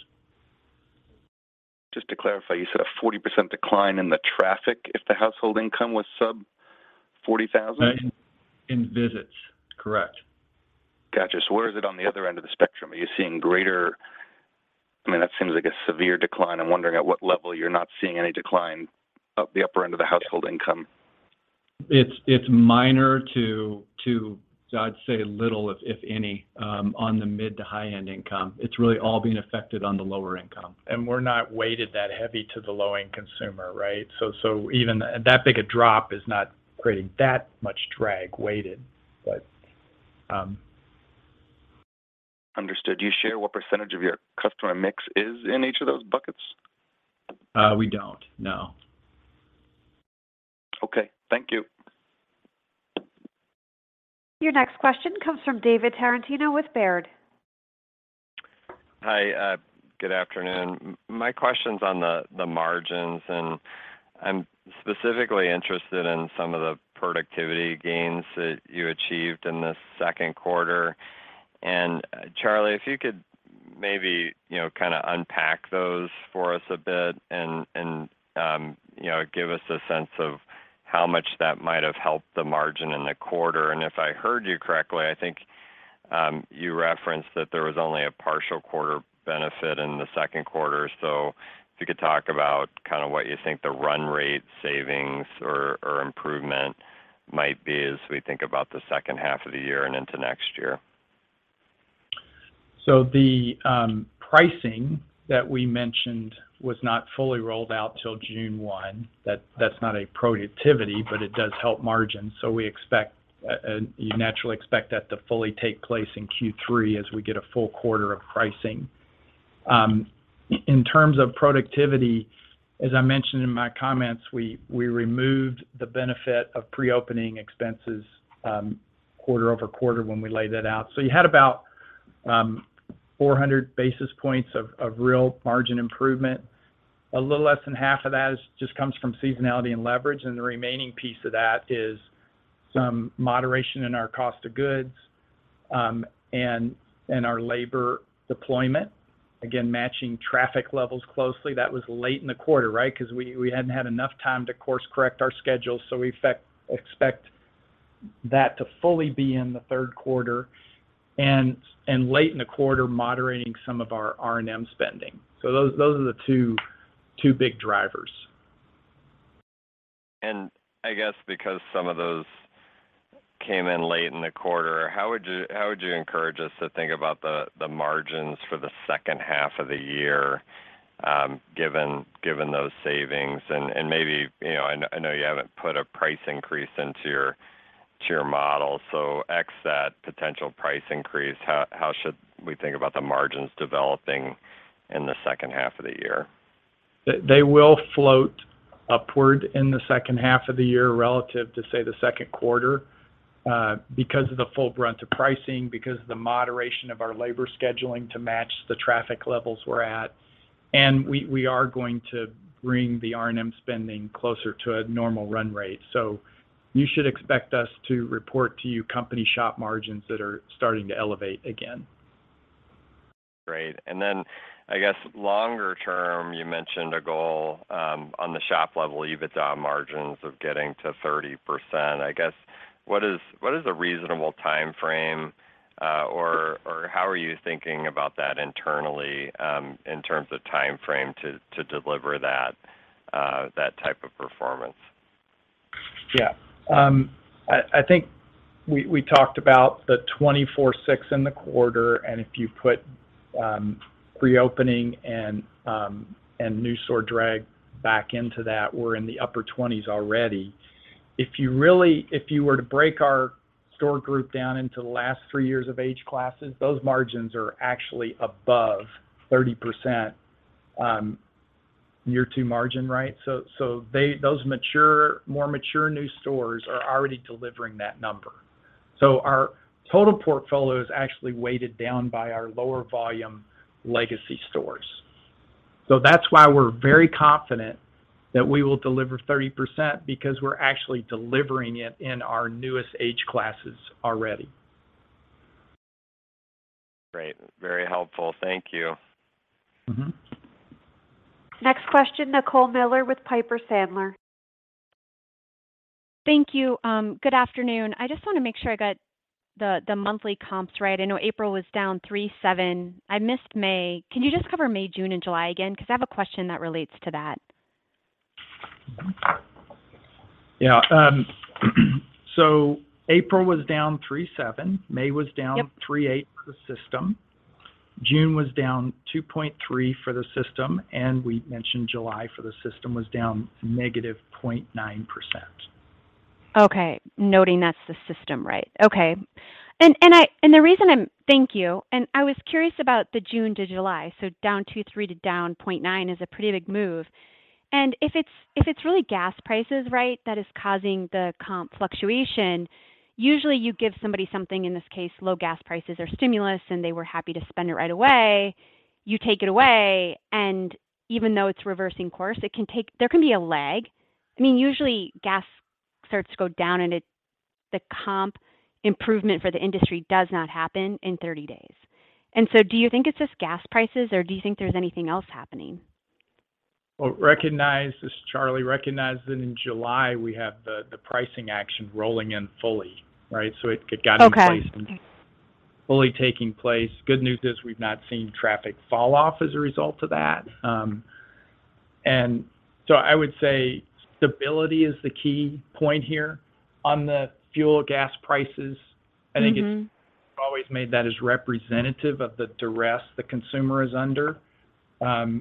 Just to clarify, you said a 40% decline in the traffic if the household income was sub 40,000? In visits. Correct. Gotcha. So where is it on the other end of the spectrum? Are you seeing greater, I mean, that seems like a severe decline. I'm wondering at what level you're not seeing any decline up the upper end of the household income. It's minor, too, I'd say, little, if any, on the mid- to high-end income. It's really all being affected on the lower income. We're not weighted that heavy to the low-end consumer, right? Even that big a drop is not creating that much drag weighted. Understood. Do you share what percentage of your customer mix is in each of those buckets? We don't. No. Okay. Thank you. Your next question comes from David Tarantino with Baird. Hi. Good afternoon. My question's on the margins, and I'm specifically interested in some of the productivity gains that you achieved in the second quarter. Charlie, if you could, maybe, you know, kind of unpack those for us a bit and, you know, give us a sense of how much that might have helped the margin in the quarter. If I heard you correctly, I think you referenced that there was only a partial quarter benefit in the second quarter. If you could talk about kind of what you think the run rate savings or improvement might be as we think about the second half of the year and into next year. The pricing that we mentioned was not fully rolled out till June 1. That's not a productivity, but it does help margin. We expect you naturally expect that to fully take place in Q3 as we get a full quarter of pricing. In terms of productivity, as I mentioned in my comments, we removed the benefit of pre-opening expenses, quarter-over-quarter when we laid that out. You had about 400 basis points of real margin improvement. A little less than half of that is just comes from seasonality and leverage, and the remaining piece of that is some moderation in our cost of goods, and our labor deployment. Again, matching traffic levels closely. That was late in the quarter, right? Because we hadn't had enough time to course-correct our schedule, so we expect that to fully be in the third quarter and late in the quarter, moderating some of our R&M spending. Those are the two big drivers. I guess because some of those came in late in the quarter, how would you encourage us to think about the margins for the second half of the year, given those savings? Maybe, you know, I know you haven't put a price increase into your model. So, that potential price increase, how should we think about the margins developing in the second half of the year? They will float upward in the second half of the year relative to, say, the second quarter, because of the full brunt of pricing, because the moderation of our labor scheduling to match the traffic levels we're at. We are going to bring the R&M spending closer to a normal run rate. You should expect us to report to you company shop margins that are starting to elevate again. Great. I guess longer term, you mentioned a goal on the shop level EBITDA margins of getting to 30%. I guess what is a reasonable timeframe or how are you thinking about that internally in terms of timeframe to deliver that type of performance? Yeah. I think we talked about the 24.6% in the quarter, and if you put reopening and new store drag back into that, we're in the upper 20s% already. If you were to break our store group down into the last three years of age classes, those margins are actually above 30%, year two margin, right? Those mature, more mature new stores are already delivering that number. Our total portfolio is actually weighted down by our lower volume legacy stores. That's why we're very confident that we will deliver 30% because we're actually delivering it in our newest age classes already. Great. Very helpful. Thank you. Mm-hmm. Next question, Nicole Miller Regan with Piper Sandler. Thank you. Good afternoon. I just wanna make sure I got the monthly comps right. I know April was down 37%. I missed May. Can you just cover May, June, and July again? Because I have a question that relates to that. April was down 37%. May was down Yep 3.8% for the system. June was down 2.3% for the system, and we mentioned July for the system was down -0.9%. Okay. Noting that's the system, right. Okay. Thank you. I was curious about the June to July, so down 23%-0.9% is a pretty big move. If it's really gas prices, right? That is causing the comp fluctuation. Usually you give somebody something, in this case, low gas prices or stimulus, and they were happy to spend it right away. You take it away, and even though it's reversing course, there can be a lag. I mean, usually gas starts to go down and the comp improvement for the industry does not happen in 30 days. Do you think it's just gas prices, or do you think there's anything else happening? This is Charlie. Recognize that in July we have the pricing action rolling in fully, right? It got in place- Okay fully taking place. Good news is we've not seen traffic fall off as a result of that. I would say stability is the key point here on the fuel gas prices. Mm-hmm. I think it's always made that as representative of the duress the consumer is under. You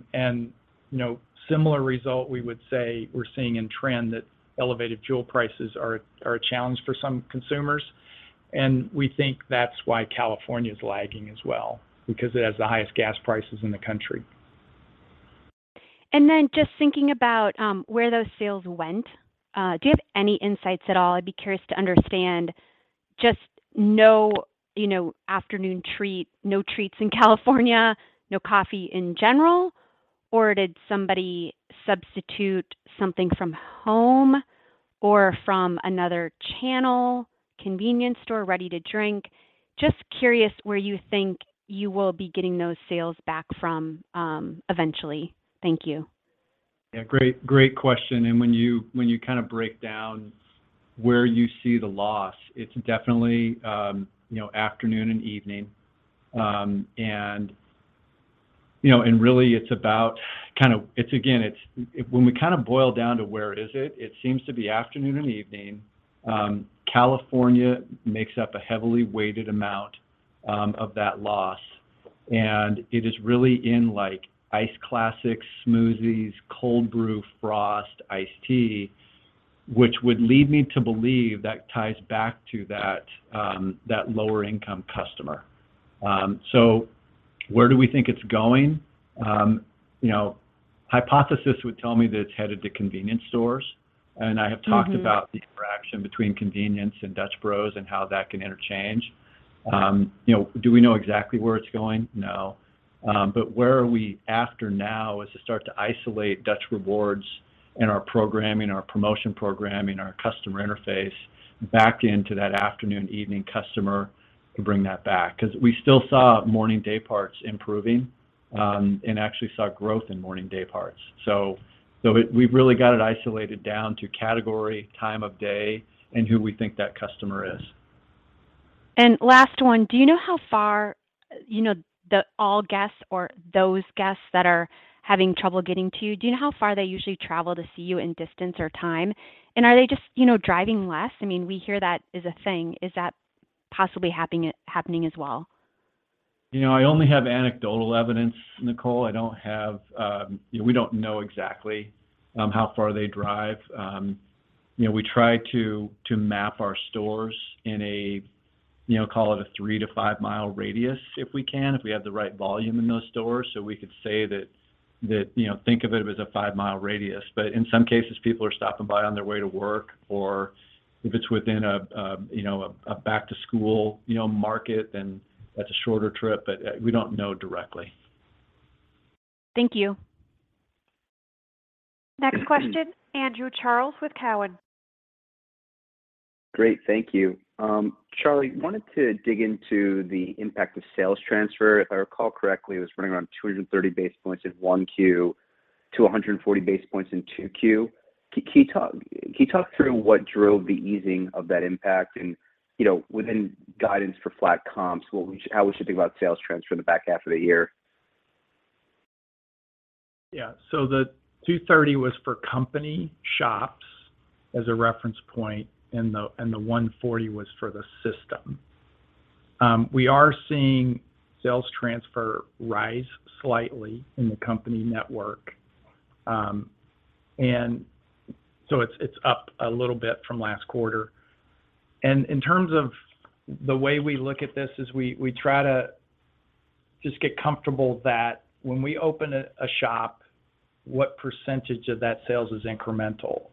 know, similar result we would say we're seeing in trend that elevated fuel prices are a challenge for some consumers. We think that's why California's lagging as well, because it has the highest gas prices in the country. Then just thinking about where those sales went, do you have any insights at all? I'd be curious to understand just no, you know, afternoon treat, no treats in California, no coffee in general. Or did somebody substitute something from home or from another channel, convenience store, ready to drink? Just curious where you think you will be getting those sales back from, eventually. Thank you. Yeah. Great question. When you kind of break down where you see the loss, it's definitely you know afternoon and evening. When we kind of boil down to where is it seems to be afternoon and evening. California makes up a heavily weighted amount of that loss. It is really in like Iced Classics, Smoothies, Cold Brew, Frost, Iced Tea, which would lead me to believe that ties back to that lower income customer. Where do we think it's going? You know, hypothesis would tell me that it's headed to convenience stores. I have talked about the interaction between convenience and Dutch Bros and how that can interchange. You know, do we know exactly where it's going? No. Where are we after now is to start to isolate Dutch Rewards in our programming, our promotion programming, our customer interface back into that afternoon, evening customer to bring that back. 'Cause we still saw morning day parts improving, and actually saw growth in morning day parts. We've really got it isolated down to category, time of day, and who we think that customer is. Last one. Do you know how far, you know, the all guests or those guests that are having trouble getting to you, do you know how far they usually travel to see you in distance or time? Are they just, you know, driving less? I mean, we hear that is a thing. Is that possibly happening as well? You know, I only have anecdotal evidence, Nicole. We don't know exactly how far they drive. You know, we try to map our stores in a you know call it a 3-5 mile radius if we can, if we have the right volume in those stores. We could say that you know think of it as a five-mile radius. In some cases, people are stopping by on their way to work, or if it's within a back-to-school market, then that's a shorter trip. We don't know directly. Thank you. Next question, Andrew Charles with Cowen. Great. Thank you. Charlie, wanted to dig into the impact of sales transfer. If I recall correctly, it was running around 230 basis points in 1Q to 140 basis points in 2Q. Can you talk through what drove the easing of that impact? You know, within guidance for flat comps, how we should think about sales transfer in the back half of the year? Yeah. The 230 was for company shops as a reference point, and the 140 was for the system. We are seeing sales transfer rise slightly in the company network. It's up a little bit from last quarter. In terms of the way we look at this is we try to just get comfortable that when we open a shop, what percentage of that sales is incremental.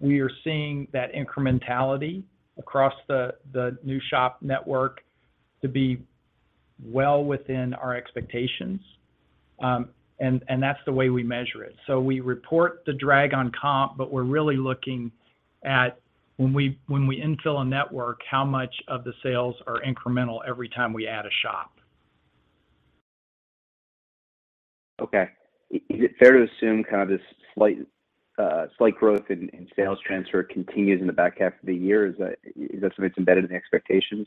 We are seeing that incrementality across the new shop network to be well within our expectations. That's the way we measure it. We report the drag on comp, but we're really looking at when we infill a network, how much of the sales are incremental every time we add a shop. Okay. Is it fair to assume kind of this slight growth in sales transfer continues in the back half of the year? Is that something that's embedded in the expectations?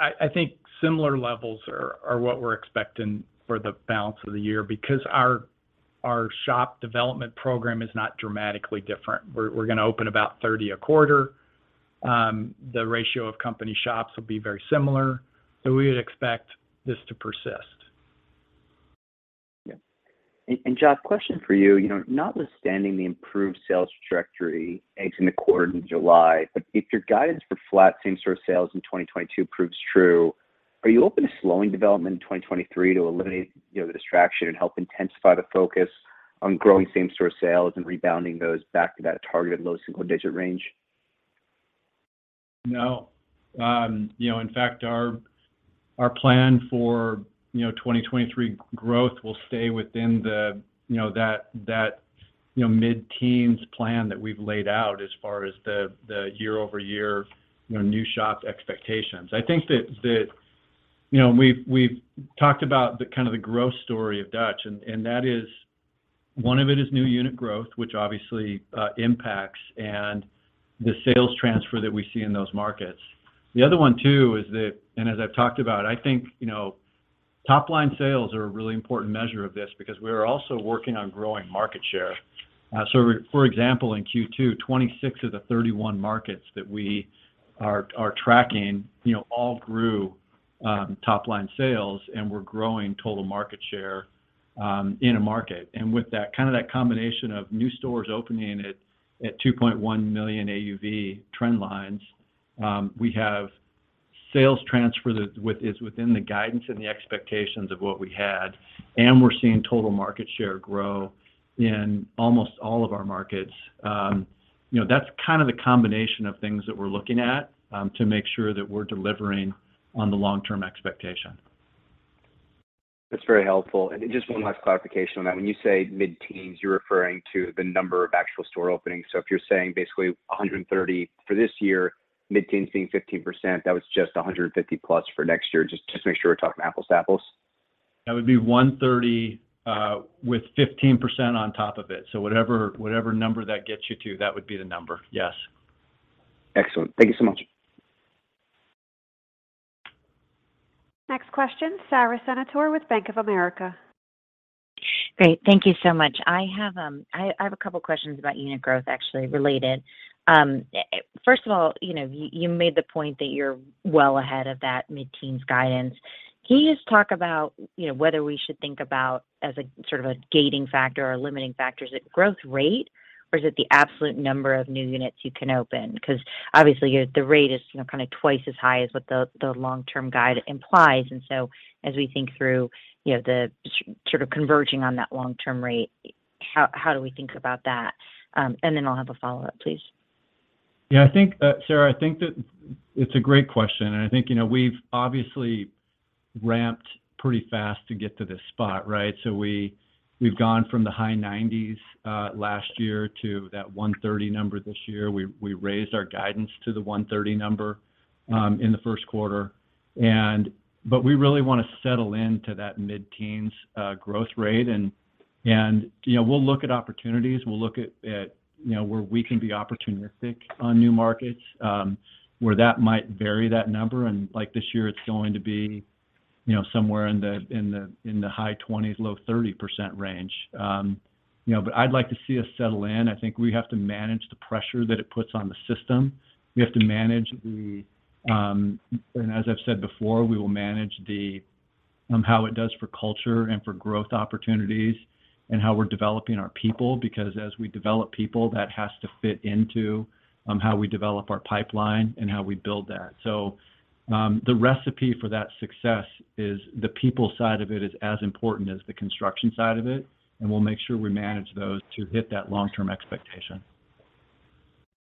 I think similar levels are what we're expecting for the balance of the year because our shop development program is not dramatically different. We're gonna open about 30 a quarter. The ratio of company shops will be very similar, so we would expect this to persist. Joth, question for you. You know, notwithstanding the improved sales trajectory exiting the quarter in July, but if your guidance for flat same-store sales in 2022 proves true, are you open to slowing development in 2023 to eliminate, you know, the distraction and help intensify the focus on growing same-store sales and rebounding those back to that targeted low single-digit range? No. You know, in fact, our plan for 2023 growth will stay within the you know that mid-teens plan that we've laid out as far as the year-over-year you know new shop expectations. I think that you know we've talked about the kind of the growth story of Dutch. And that is one of it is new unit growth, which obviously impacts the sales transfer that we see in those markets. The other one too is that and as I've talked about, I think you know top line sales are a really important measure of this because we are also working on growing market share. For example, in Q2, 26 of the 31 markets that we are tracking, you know, all grew top-line sales, and we're growing total market share in a market. With that kind of combination of new stores opening at $2.1 million AUV trend lines, we have sales transfer that's within the guidance and the expectations of what we had, and we're seeing total market share grow in almost all of our markets. You know, that's kind of the combination of things that we're looking at to make sure that we're delivering on the long-term expectation. That's very helpful. Just one last clarification on that. When you say mid-teens, you're referring to the number of actual store openings. If you're saying basically 130 for this year, mid-teens being 15%, that was just 150+ for next year. Just make sure we're talking apples to apples. That would be 130 with 15% on top of it. Whatever number that gets you to, that would be the number. Yes. Excellent. Thank you so much. Next question, Sara Senatore with Bank of America. Great. Thank you so much. I have a couple questions about unit growth actually related. First of all, you know, you made the point that you're well ahead of that mid-teens guidance. Can you just talk about, you know, whether we should think about as a sort of a gating factor or limiting factor, is it growth rate, or is it the absolute number of new units you can open? Because obviously, the rate is, you know, kind of twice as high as what the long-term guide implies. As we think through, you know, the sort of converging on that long-term rate, how do we think about that? And then I'll have a follow-up, please. Yeah, I think, Sara, I think that it's a great question. I think, you know, we've obviously ramped pretty fast to get to this spot, right? We've gone from the high 90s last year to that 130 number this year. We raised our guidance to the 130 number in the first quarter. But we really wanna settle into that mid-teens growth rate. You know, we'll look at opportunities. We'll look at you know, where we can be opportunistic on new markets, where that might vary that number. Like this year, it's going to be, you know, somewhere in the high 20s, low 30% range. You know, but I'd like to see us settle in. I think we have to manage the pressure that it puts on the system. As I've said before, we will manage the how it does for culture and for growth opportunities and how we're developing our people. Because as we develop people, that has to fit into how we develop our pipeline and how we build that. The recipe for that success is the people side of it is as important as the construction side of it, and we'll make sure we manage those to hit that long-term expectation.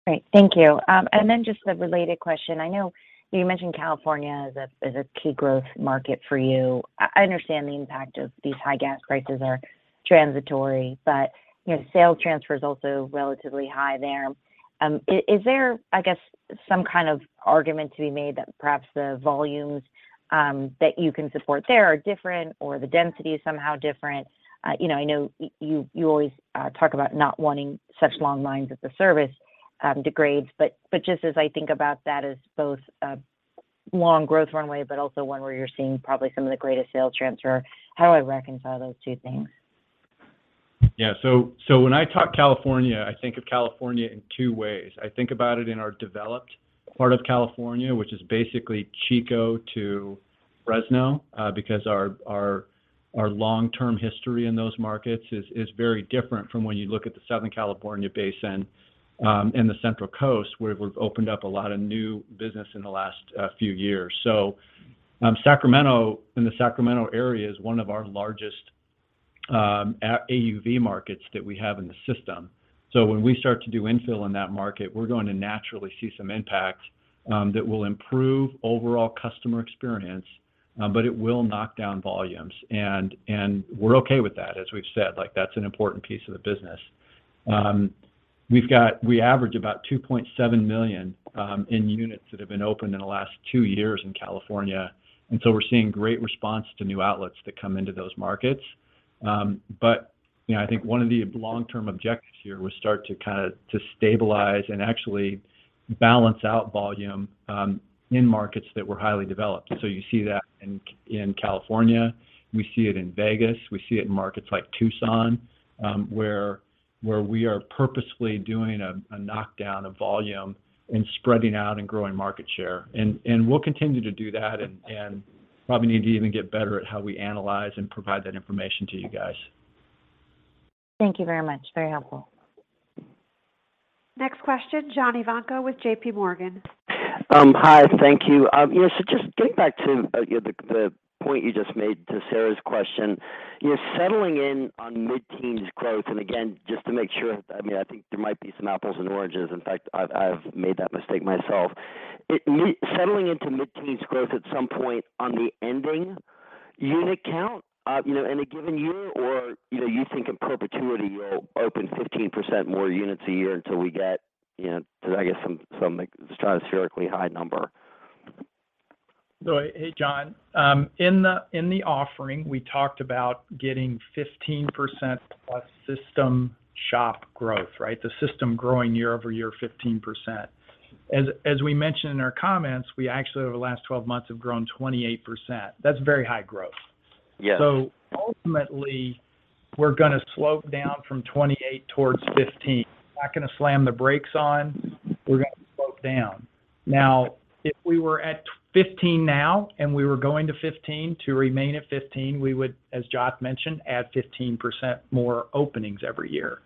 Great. Thank you. Just a related question. I know you mentioned California as a key growth market for you. I understand the impact of these high gas prices are transitory, but you know, sales transfer is also relatively high there. Is there, I guess, some kind of argument to be made that perhaps the volumes that you can support there are different or the density is somehow different? You know, I know you always talk about not wanting such long lines that the service degrades. Just as I think about that as both a long growth runway but also one where you're seeing probably some of the greatest sales transfer, how do I reconcile those two things? Yeah. When I talk California, I think of California in two ways. I think about it in our developed part of California, which is basically Chico to Fresno, because our long-term history in those markets is very different from when you look at the Southern California Basin, and the Central Coast, where we've opened up a lot of new business in the last few years. Sacramento and the Sacramento area is one of our largest AUV markets that we have in the system. When we start to do infill in that market, we're going to naturally see some impact that will improve overall customer experience, but it will knock down volumes. We're okay with that, as we've said. Like, that's an important piece of the business. We average about $2.7 million AUV for units that have been opened in the last two years in California, and we're seeing great response to new outlets that come into those markets. You know, I think one of the long-term objectives here was to stabilize and actually balance out volume in markets that were highly developed. You see that in California. We see it in Vegas. We see it in markets like Tucson, where we are purposefully doing a knockdown of volume and spreading out and growing market share. We'll continue to do that and probably need to even get better at how we analyze and provide that information to you guys. Thank you very much. Very helpful. Next question, John Ivankoe with J.P. Morgan. Hi. Thank you. You know, so just getting back to, you know, the point you just made to Sarah's question. You're settling in on mid-teens growth. Again, just to make sure, I mean, I think there might be some apples and oranges. In fact, I've made that mistake myself. Settling into mid-teens growth at some point on the ending unit count, you know, in a given year or, you know, you think in perpetuity you'll open 15% more units a year until we get, you know, to, I guess, some like, stratospherically high number. Hey, John. In the offering, we talked about getting 15% plus system shop growth, right? The system growing year-over-year 15%. As we mentioned in our comments, we actually over the last 12 months have grown 28%. That's very high growth. Yes. Ultimately, we're gonna slope down from 28 towards 15. We're not gonna slam the brakes on. We're gonna slope down. Now, if we were at fifteen now and we were going to 15 to remain at 15, we would, as Joth mentioned, add 15% more openings every year.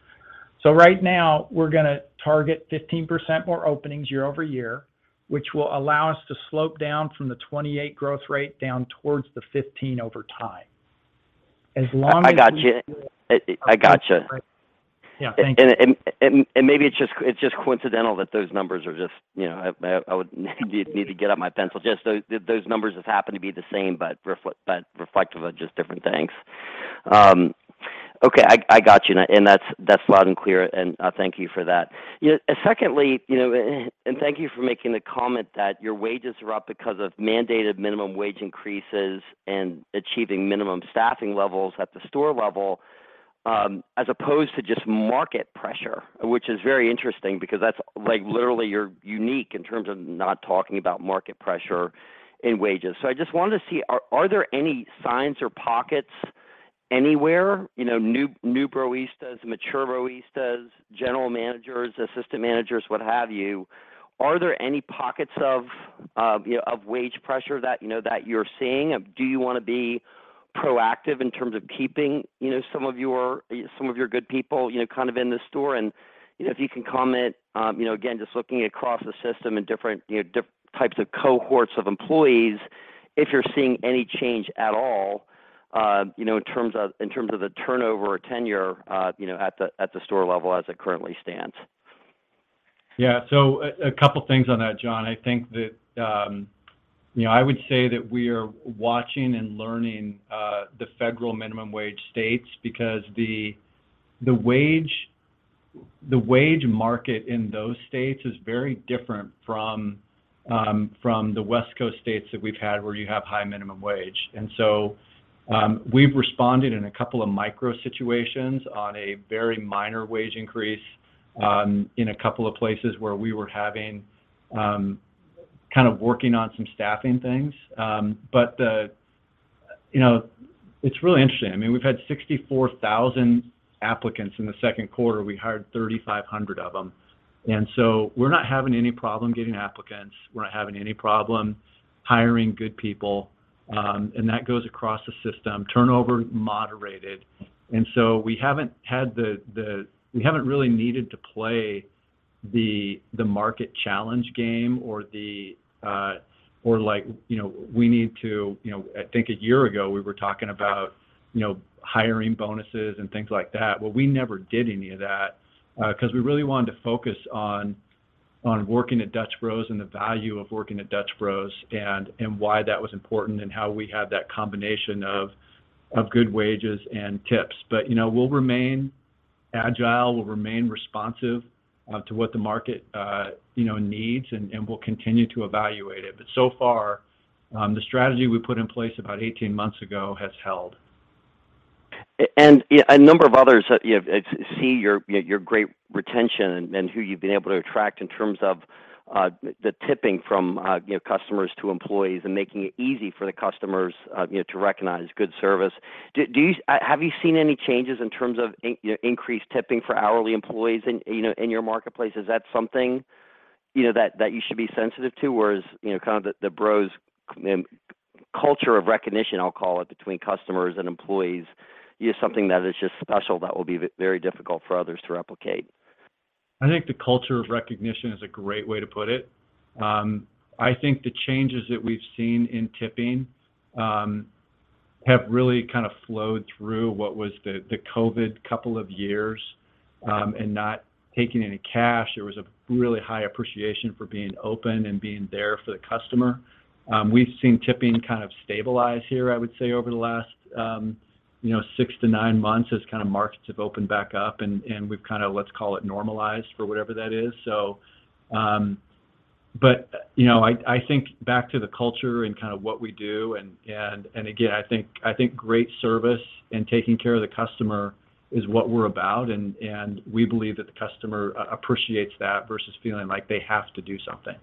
Right now we're gonna target 15% more openings year-over-year, which will allow us to slope down from the 28 growth rate down towards the 15 over time. I gotcha. Yeah. Thank you. Maybe it's just coincidental that those numbers are just. You know, I would need to get out my pencil. Just those numbers happen to be the same, but reflective of just different things. Okay, I got you now, and that's loud and clear, and thank you for that. You know, secondly, you know, and thank you for making the comment that your wages are up because of mandated minimum wage increases and achieving minimum staffing levels at the store level, as opposed to just market pressure, which is very interesting because that's, like, literally you're unique in terms of not talking about market pressure in wages. I just wanted to see, are there any signs or pockets anywhere, you know, new Broistas, mature Broistas, general managers, assistant managers, what have you, are there any pockets of, you know, of wage pressure that, you know, that you're seeing? Do you wanna be proactive in terms of keeping, you know, some of your good people, you know, kind of in the store? If you can comment, you know, again, just looking across the system in different, you know, types of cohorts of employees, if you're seeing any change at all, you know, in terms of the turnover or tenure, you know, at the store level as it currently stands. Yeah. A couple things on that, John. I think that, you know, I would say that we are watching and learning the federal minimum wage states because the wage market in those states is very different from the West Coast states that we've had where you have high minimum wage. We've responded in a couple of micro situations on a very minor wage increase in a couple of places where we were having kind of working on some staffing things. You know, it's really interesting. I mean, we've had 64,000 applicants in the second quarter. We hired 3,500 of them. We're not having any problem getting applicants. We're not having any problem hiring good people, and that goes across the system. Turnover moderated. We haven't really needed to play the market challenge game. You know, I think a year ago, we were talking about, you know, hiring bonuses and things like that. Well, we never did any of that, 'cause we really wanted to focus on working at Dutch Bros and the value of working at Dutch Bros and why that was important and how we had that combination of good wages and tips. You know, we'll remain agile, we'll remain responsive to what the market, you know, needs, and we'll continue to evaluate it. So far, the strategy we put in place about 18 months ago has held. You know, a number of others, you know, see your, you know, your great retention and who you've been able to attract in terms of the tipping from, you know, customers to employees and making it easy for the customers, you know, to recognize good service. Do you have you seen any changes in terms of increased tipping for hourly employees in, you know, in your marketplace? Is that something, you know, that you should be sensitive to? Or is, you know, kind of the Bros culture of recognition, I'll call it, between customers and employees something that is just special that will be very difficult for others to replicate? I think the culture of recognition is a great way to put it. I think the changes that we've seen in tipping have really kind of flowed through what was the COVID couple of years in not taking any cash. There was a really high appreciation for being open and being there for the customer. We've seen tipping kind of stabilize here, I would say, over the last, you know, six to nine months as kinda markets have opened back up and we've kinda, let's call it, normalized for whatever that is. I think back to the culture and kinda what we do, and again, I think great service and taking care of the customer is what we're about. We believe that the customer appreciates that versus feeling like they have to do something.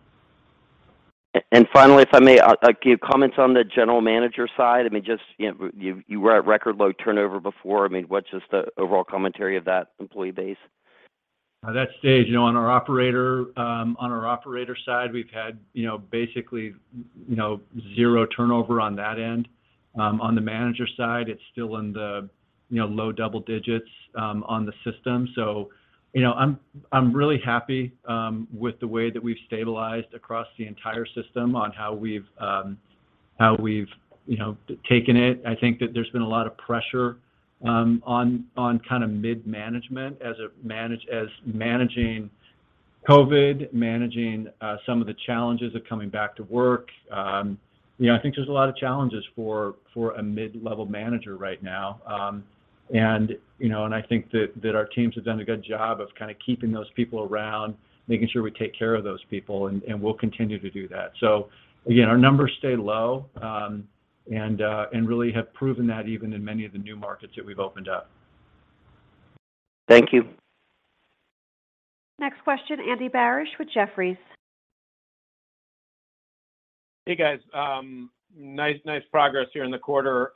Finally, if I may, like your comments on the general manager side. I mean, just, you know, you were at record low turnover before. I mean, what's just the overall commentary of that employee base? At that stage, you know, on our operator side, we've had, you know, basically, you know, zero turnover on that end. On the manager side, it's still in the low double digits on the system. You know, I'm really happy with the way that we've stabilized across the entire system on how we've taken it. I think that there's been a lot of pressure on kind of mid-management as managing COVID, managing some of the challenges of coming back to work. You know, I think there's a lot of challenges for a mid-level manager right now. You know, I think that our teams have done a good job of kinda keeping those people around, making sure we take care of those people, and we'll continue to do that. Again, our numbers stay low, and really have proven that even in many of the new markets that we've opened up. Thank you. Next question, Andrew Barish with Jefferies. Hey, guys. Nice progress here in the quarter.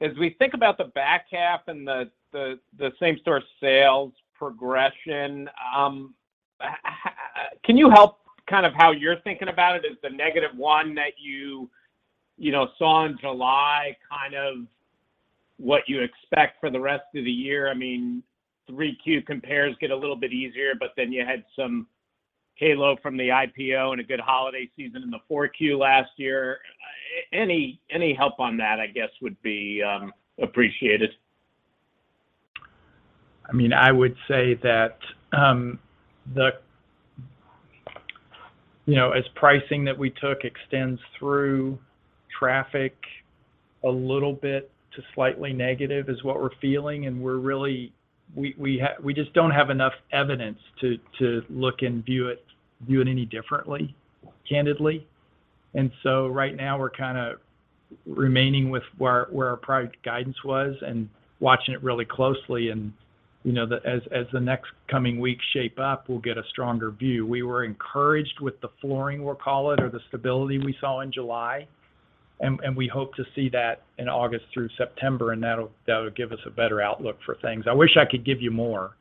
As we think about the back half and the same-store sales progression, can you help kind of how you're thinking about it? Is the negative 1% that you know, saw in July kind of- What do you expect for the rest of the year? I mean, 3Q compares get a little bit easier, but then you had some halo from the IPO and a good holiday season in the 4Q last year. Any help on that, I guess, would be appreciated. I mean, I would say that You know, as pricing that we took extends through traffic a little bit to slightly negative is what we're feeling, and we're really, we just don't have enough evidence to look and view it any differently, candidly. Right now, we're kinda remaining with where our prior guidance was and watching it really closely. And, you know, as the next coming weeks shape up, we'll get a stronger view. We were encouraged with the flooring, we'll call it, or the stability we saw in July, and we hope to see that in August through September, and that'll give us a better outlook for things. I wish I could give you more,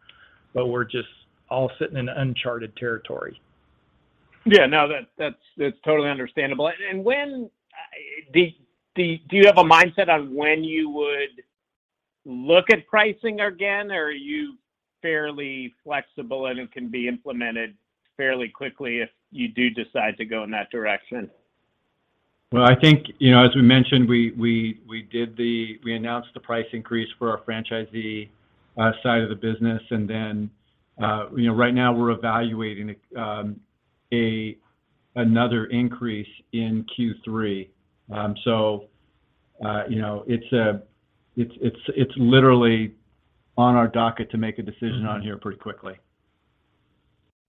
but we're just all sitting in uncharted territory. Yeah. No, that's totally understandable. Do you have a mindset on when you would look at pricing again, or are you fairly flexible and it can be implemented fairly quickly if you do decide to go in that direction? Well, I think, you know, as we mentioned, we announced the price increase for our franchisee side of the business. You know, right now we're evaluating another increase in Q3. You know, it's literally on our docket to make a decision on here pretty quickly.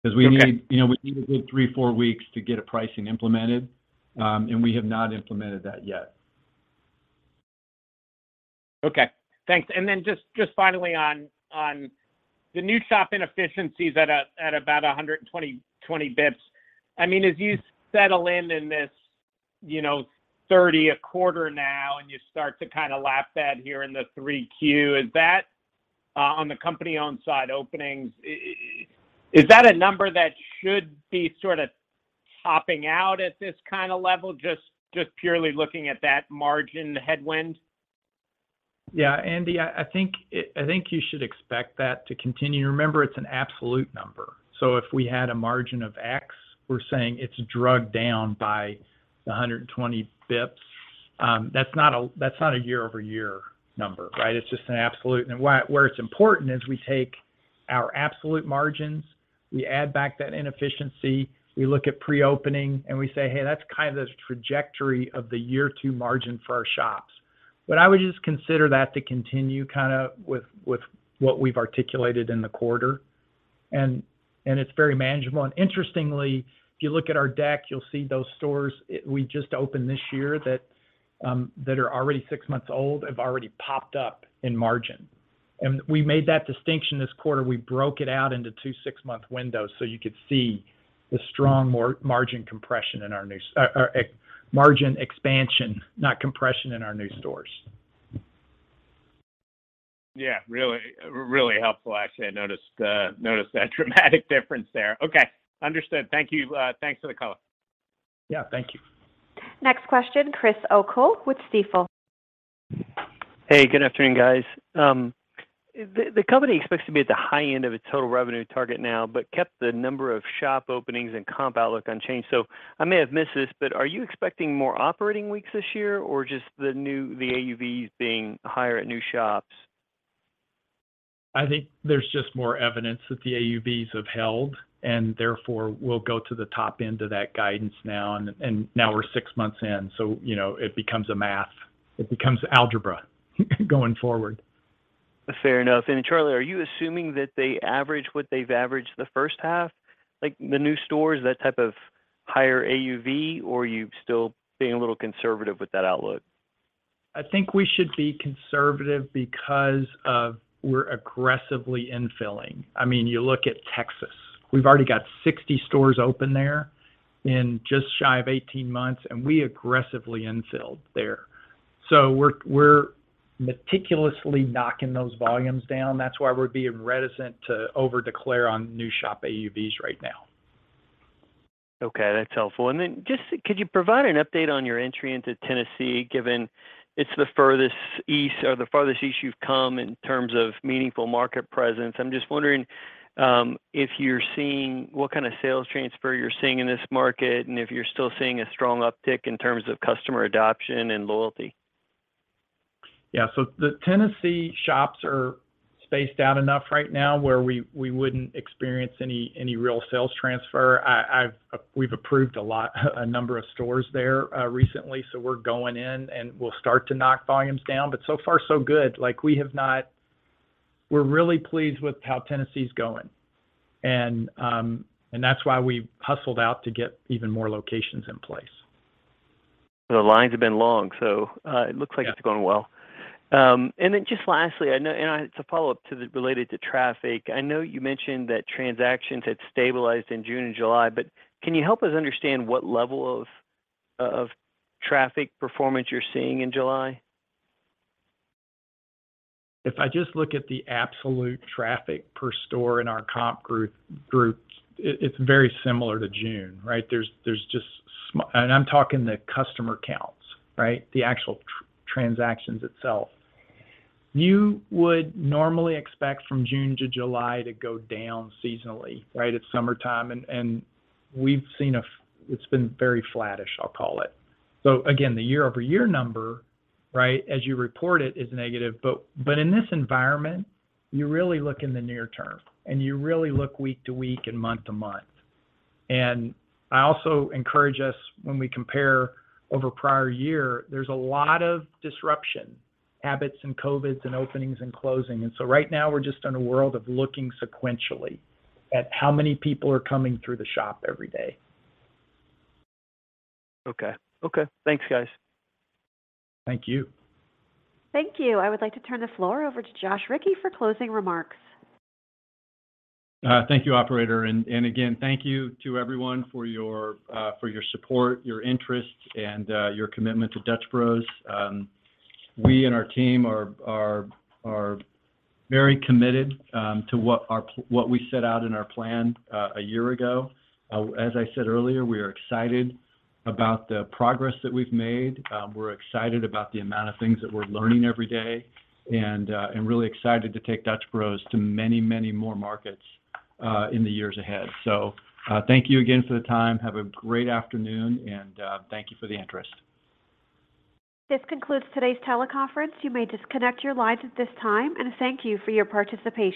'Cause we need- Okay. You know, we need a good 3-4 weeks to get a pricing implemented, and we have not implemented that yet. Okay. Thanks. Just finally on the new shop inefficiencies at about 120-20 basis points. I mean, as you settle in this, you know, 30 a quarter now, and you start to kinda lap that here in the 3Q, is that on the company-owned side openings, is that a number that should be sort of topping out at this kinda level, just purely looking at that margin headwind? Yeah. Andy, I think you should expect that to continue. Remember, it's an absolute number. If we had a margin of X, we're saying it's dragged down by 120 basis points. That's not a year-over-year number, right? It's just an absolute. Where it's important is we take our absolute margins, we add back that inefficiency. We look at pre-opening, and we say, "Hey, that's kind of the trajectory of the year two margin for our shops." I would just consider that to continue kinda with what we've articulated in the quarter. It's very manageable. Interestingly, if you look at our deck, you'll see those stores we just opened this year that are already six months old have already popped up in margin. We made that distinction this quarter. We broke it out into two six-month windows, so you could see the strong margin expansion, not compression in our new stores. Yeah. Really, really helpful. Actually, I noticed that dramatic difference there. Okay. Understood. Thank you. Thanks for the call. Yeah, thank you. Next question, Christopher O'Cull with Stifel. Hey, good afternoon, guys. The company expects to be at the high end of its total revenue target now, but kept the number of shop openings and comp outlook unchanged. I may have missed this, but are you expecting more operating weeks this year, or just the AUVs being higher at new shops? I think there's just more evidence that the AUVs have held, and therefore, we'll go to the top end of that guidance now. Now we're six months in, so, you know, it becomes a math. It becomes algebra going forward. Fair enough. Charlie, are you assuming that they average what they've averaged the first half? Like, the new stores, that type of higher AUV, or are you still being a little conservative with that outlook? I think we should be conservative because we're aggressively infilling. I mean, you look at Texas. We've already got 60 stores open there in just shy of 18 months, and we aggressively infilled there. We're meticulously knocking those volumes down. That's why we're being reticent to over-declare on new shop AUVs right now. Okay, that's helpful. Then just could you provide an update on your entry into Tennessee, given it's the furthest east or the farthest east you've come in terms of meaningful market presence? I'm just wondering, if you're seeing what kind of sales transfer you're seeing in this market, and if you're still seeing a strong uptick in terms of customer adoption and loyalty. The Tennessee shops are spaced out enough right now where we wouldn't experience any real sales transfer. We've approved a lot, a number of stores there recently, so we're going in, and we'll start to knock volumes down. So far, so good. Like, we're really pleased with how Tennessee's going. That's why we hustled out to get even more locations in place. The lines have been long, so Yeah. It looks like it's going well. Just lastly, it's a follow-up related to traffic. I know you mentioned that transactions had stabilized in June and July, but can you help us understand what level of traffic performance you're seeing in July? If I just look at the absolute traffic per store in our comp group, it's very similar to June, right? There's just. I'm talking the customer counts, right? The actual transactions itself. You would normally expect from June to July to go down seasonally, right? It's summertime and we've seen it's been very flattish, I'll call it. Again, the year-over-year number, right, as you report it, is negative. In this environment, you really look in the near term, and you really look week-to-week and month-to-month. I also encourage us when we compare over prior year, there's a lot of disruption, habits and COVIDs and openings and closing. Right now we're just in a world of looking sequentially at how many people are coming through the shop every day. Okay. Thanks, guys. Thank you. Thank you. I would like to turn the floor over to Joth Ricci for closing remarks. Thank you, operator. Again, thank you to everyone for your support, your interest, and your commitment to Dutch Bros. We and our team are very committed to what we set out in our plan a year ago. As I said earlier, we are excited about the progress that we've made. We're excited about the amount of things that we're learning every day and really excited to take Dutch Bros to many, many more markets in the years ahead. Thank you again for the time. Have a great afternoon, and thank you for the interest. This concludes today's teleconference. You may disconnect your lines at this time, and thank you for your participation.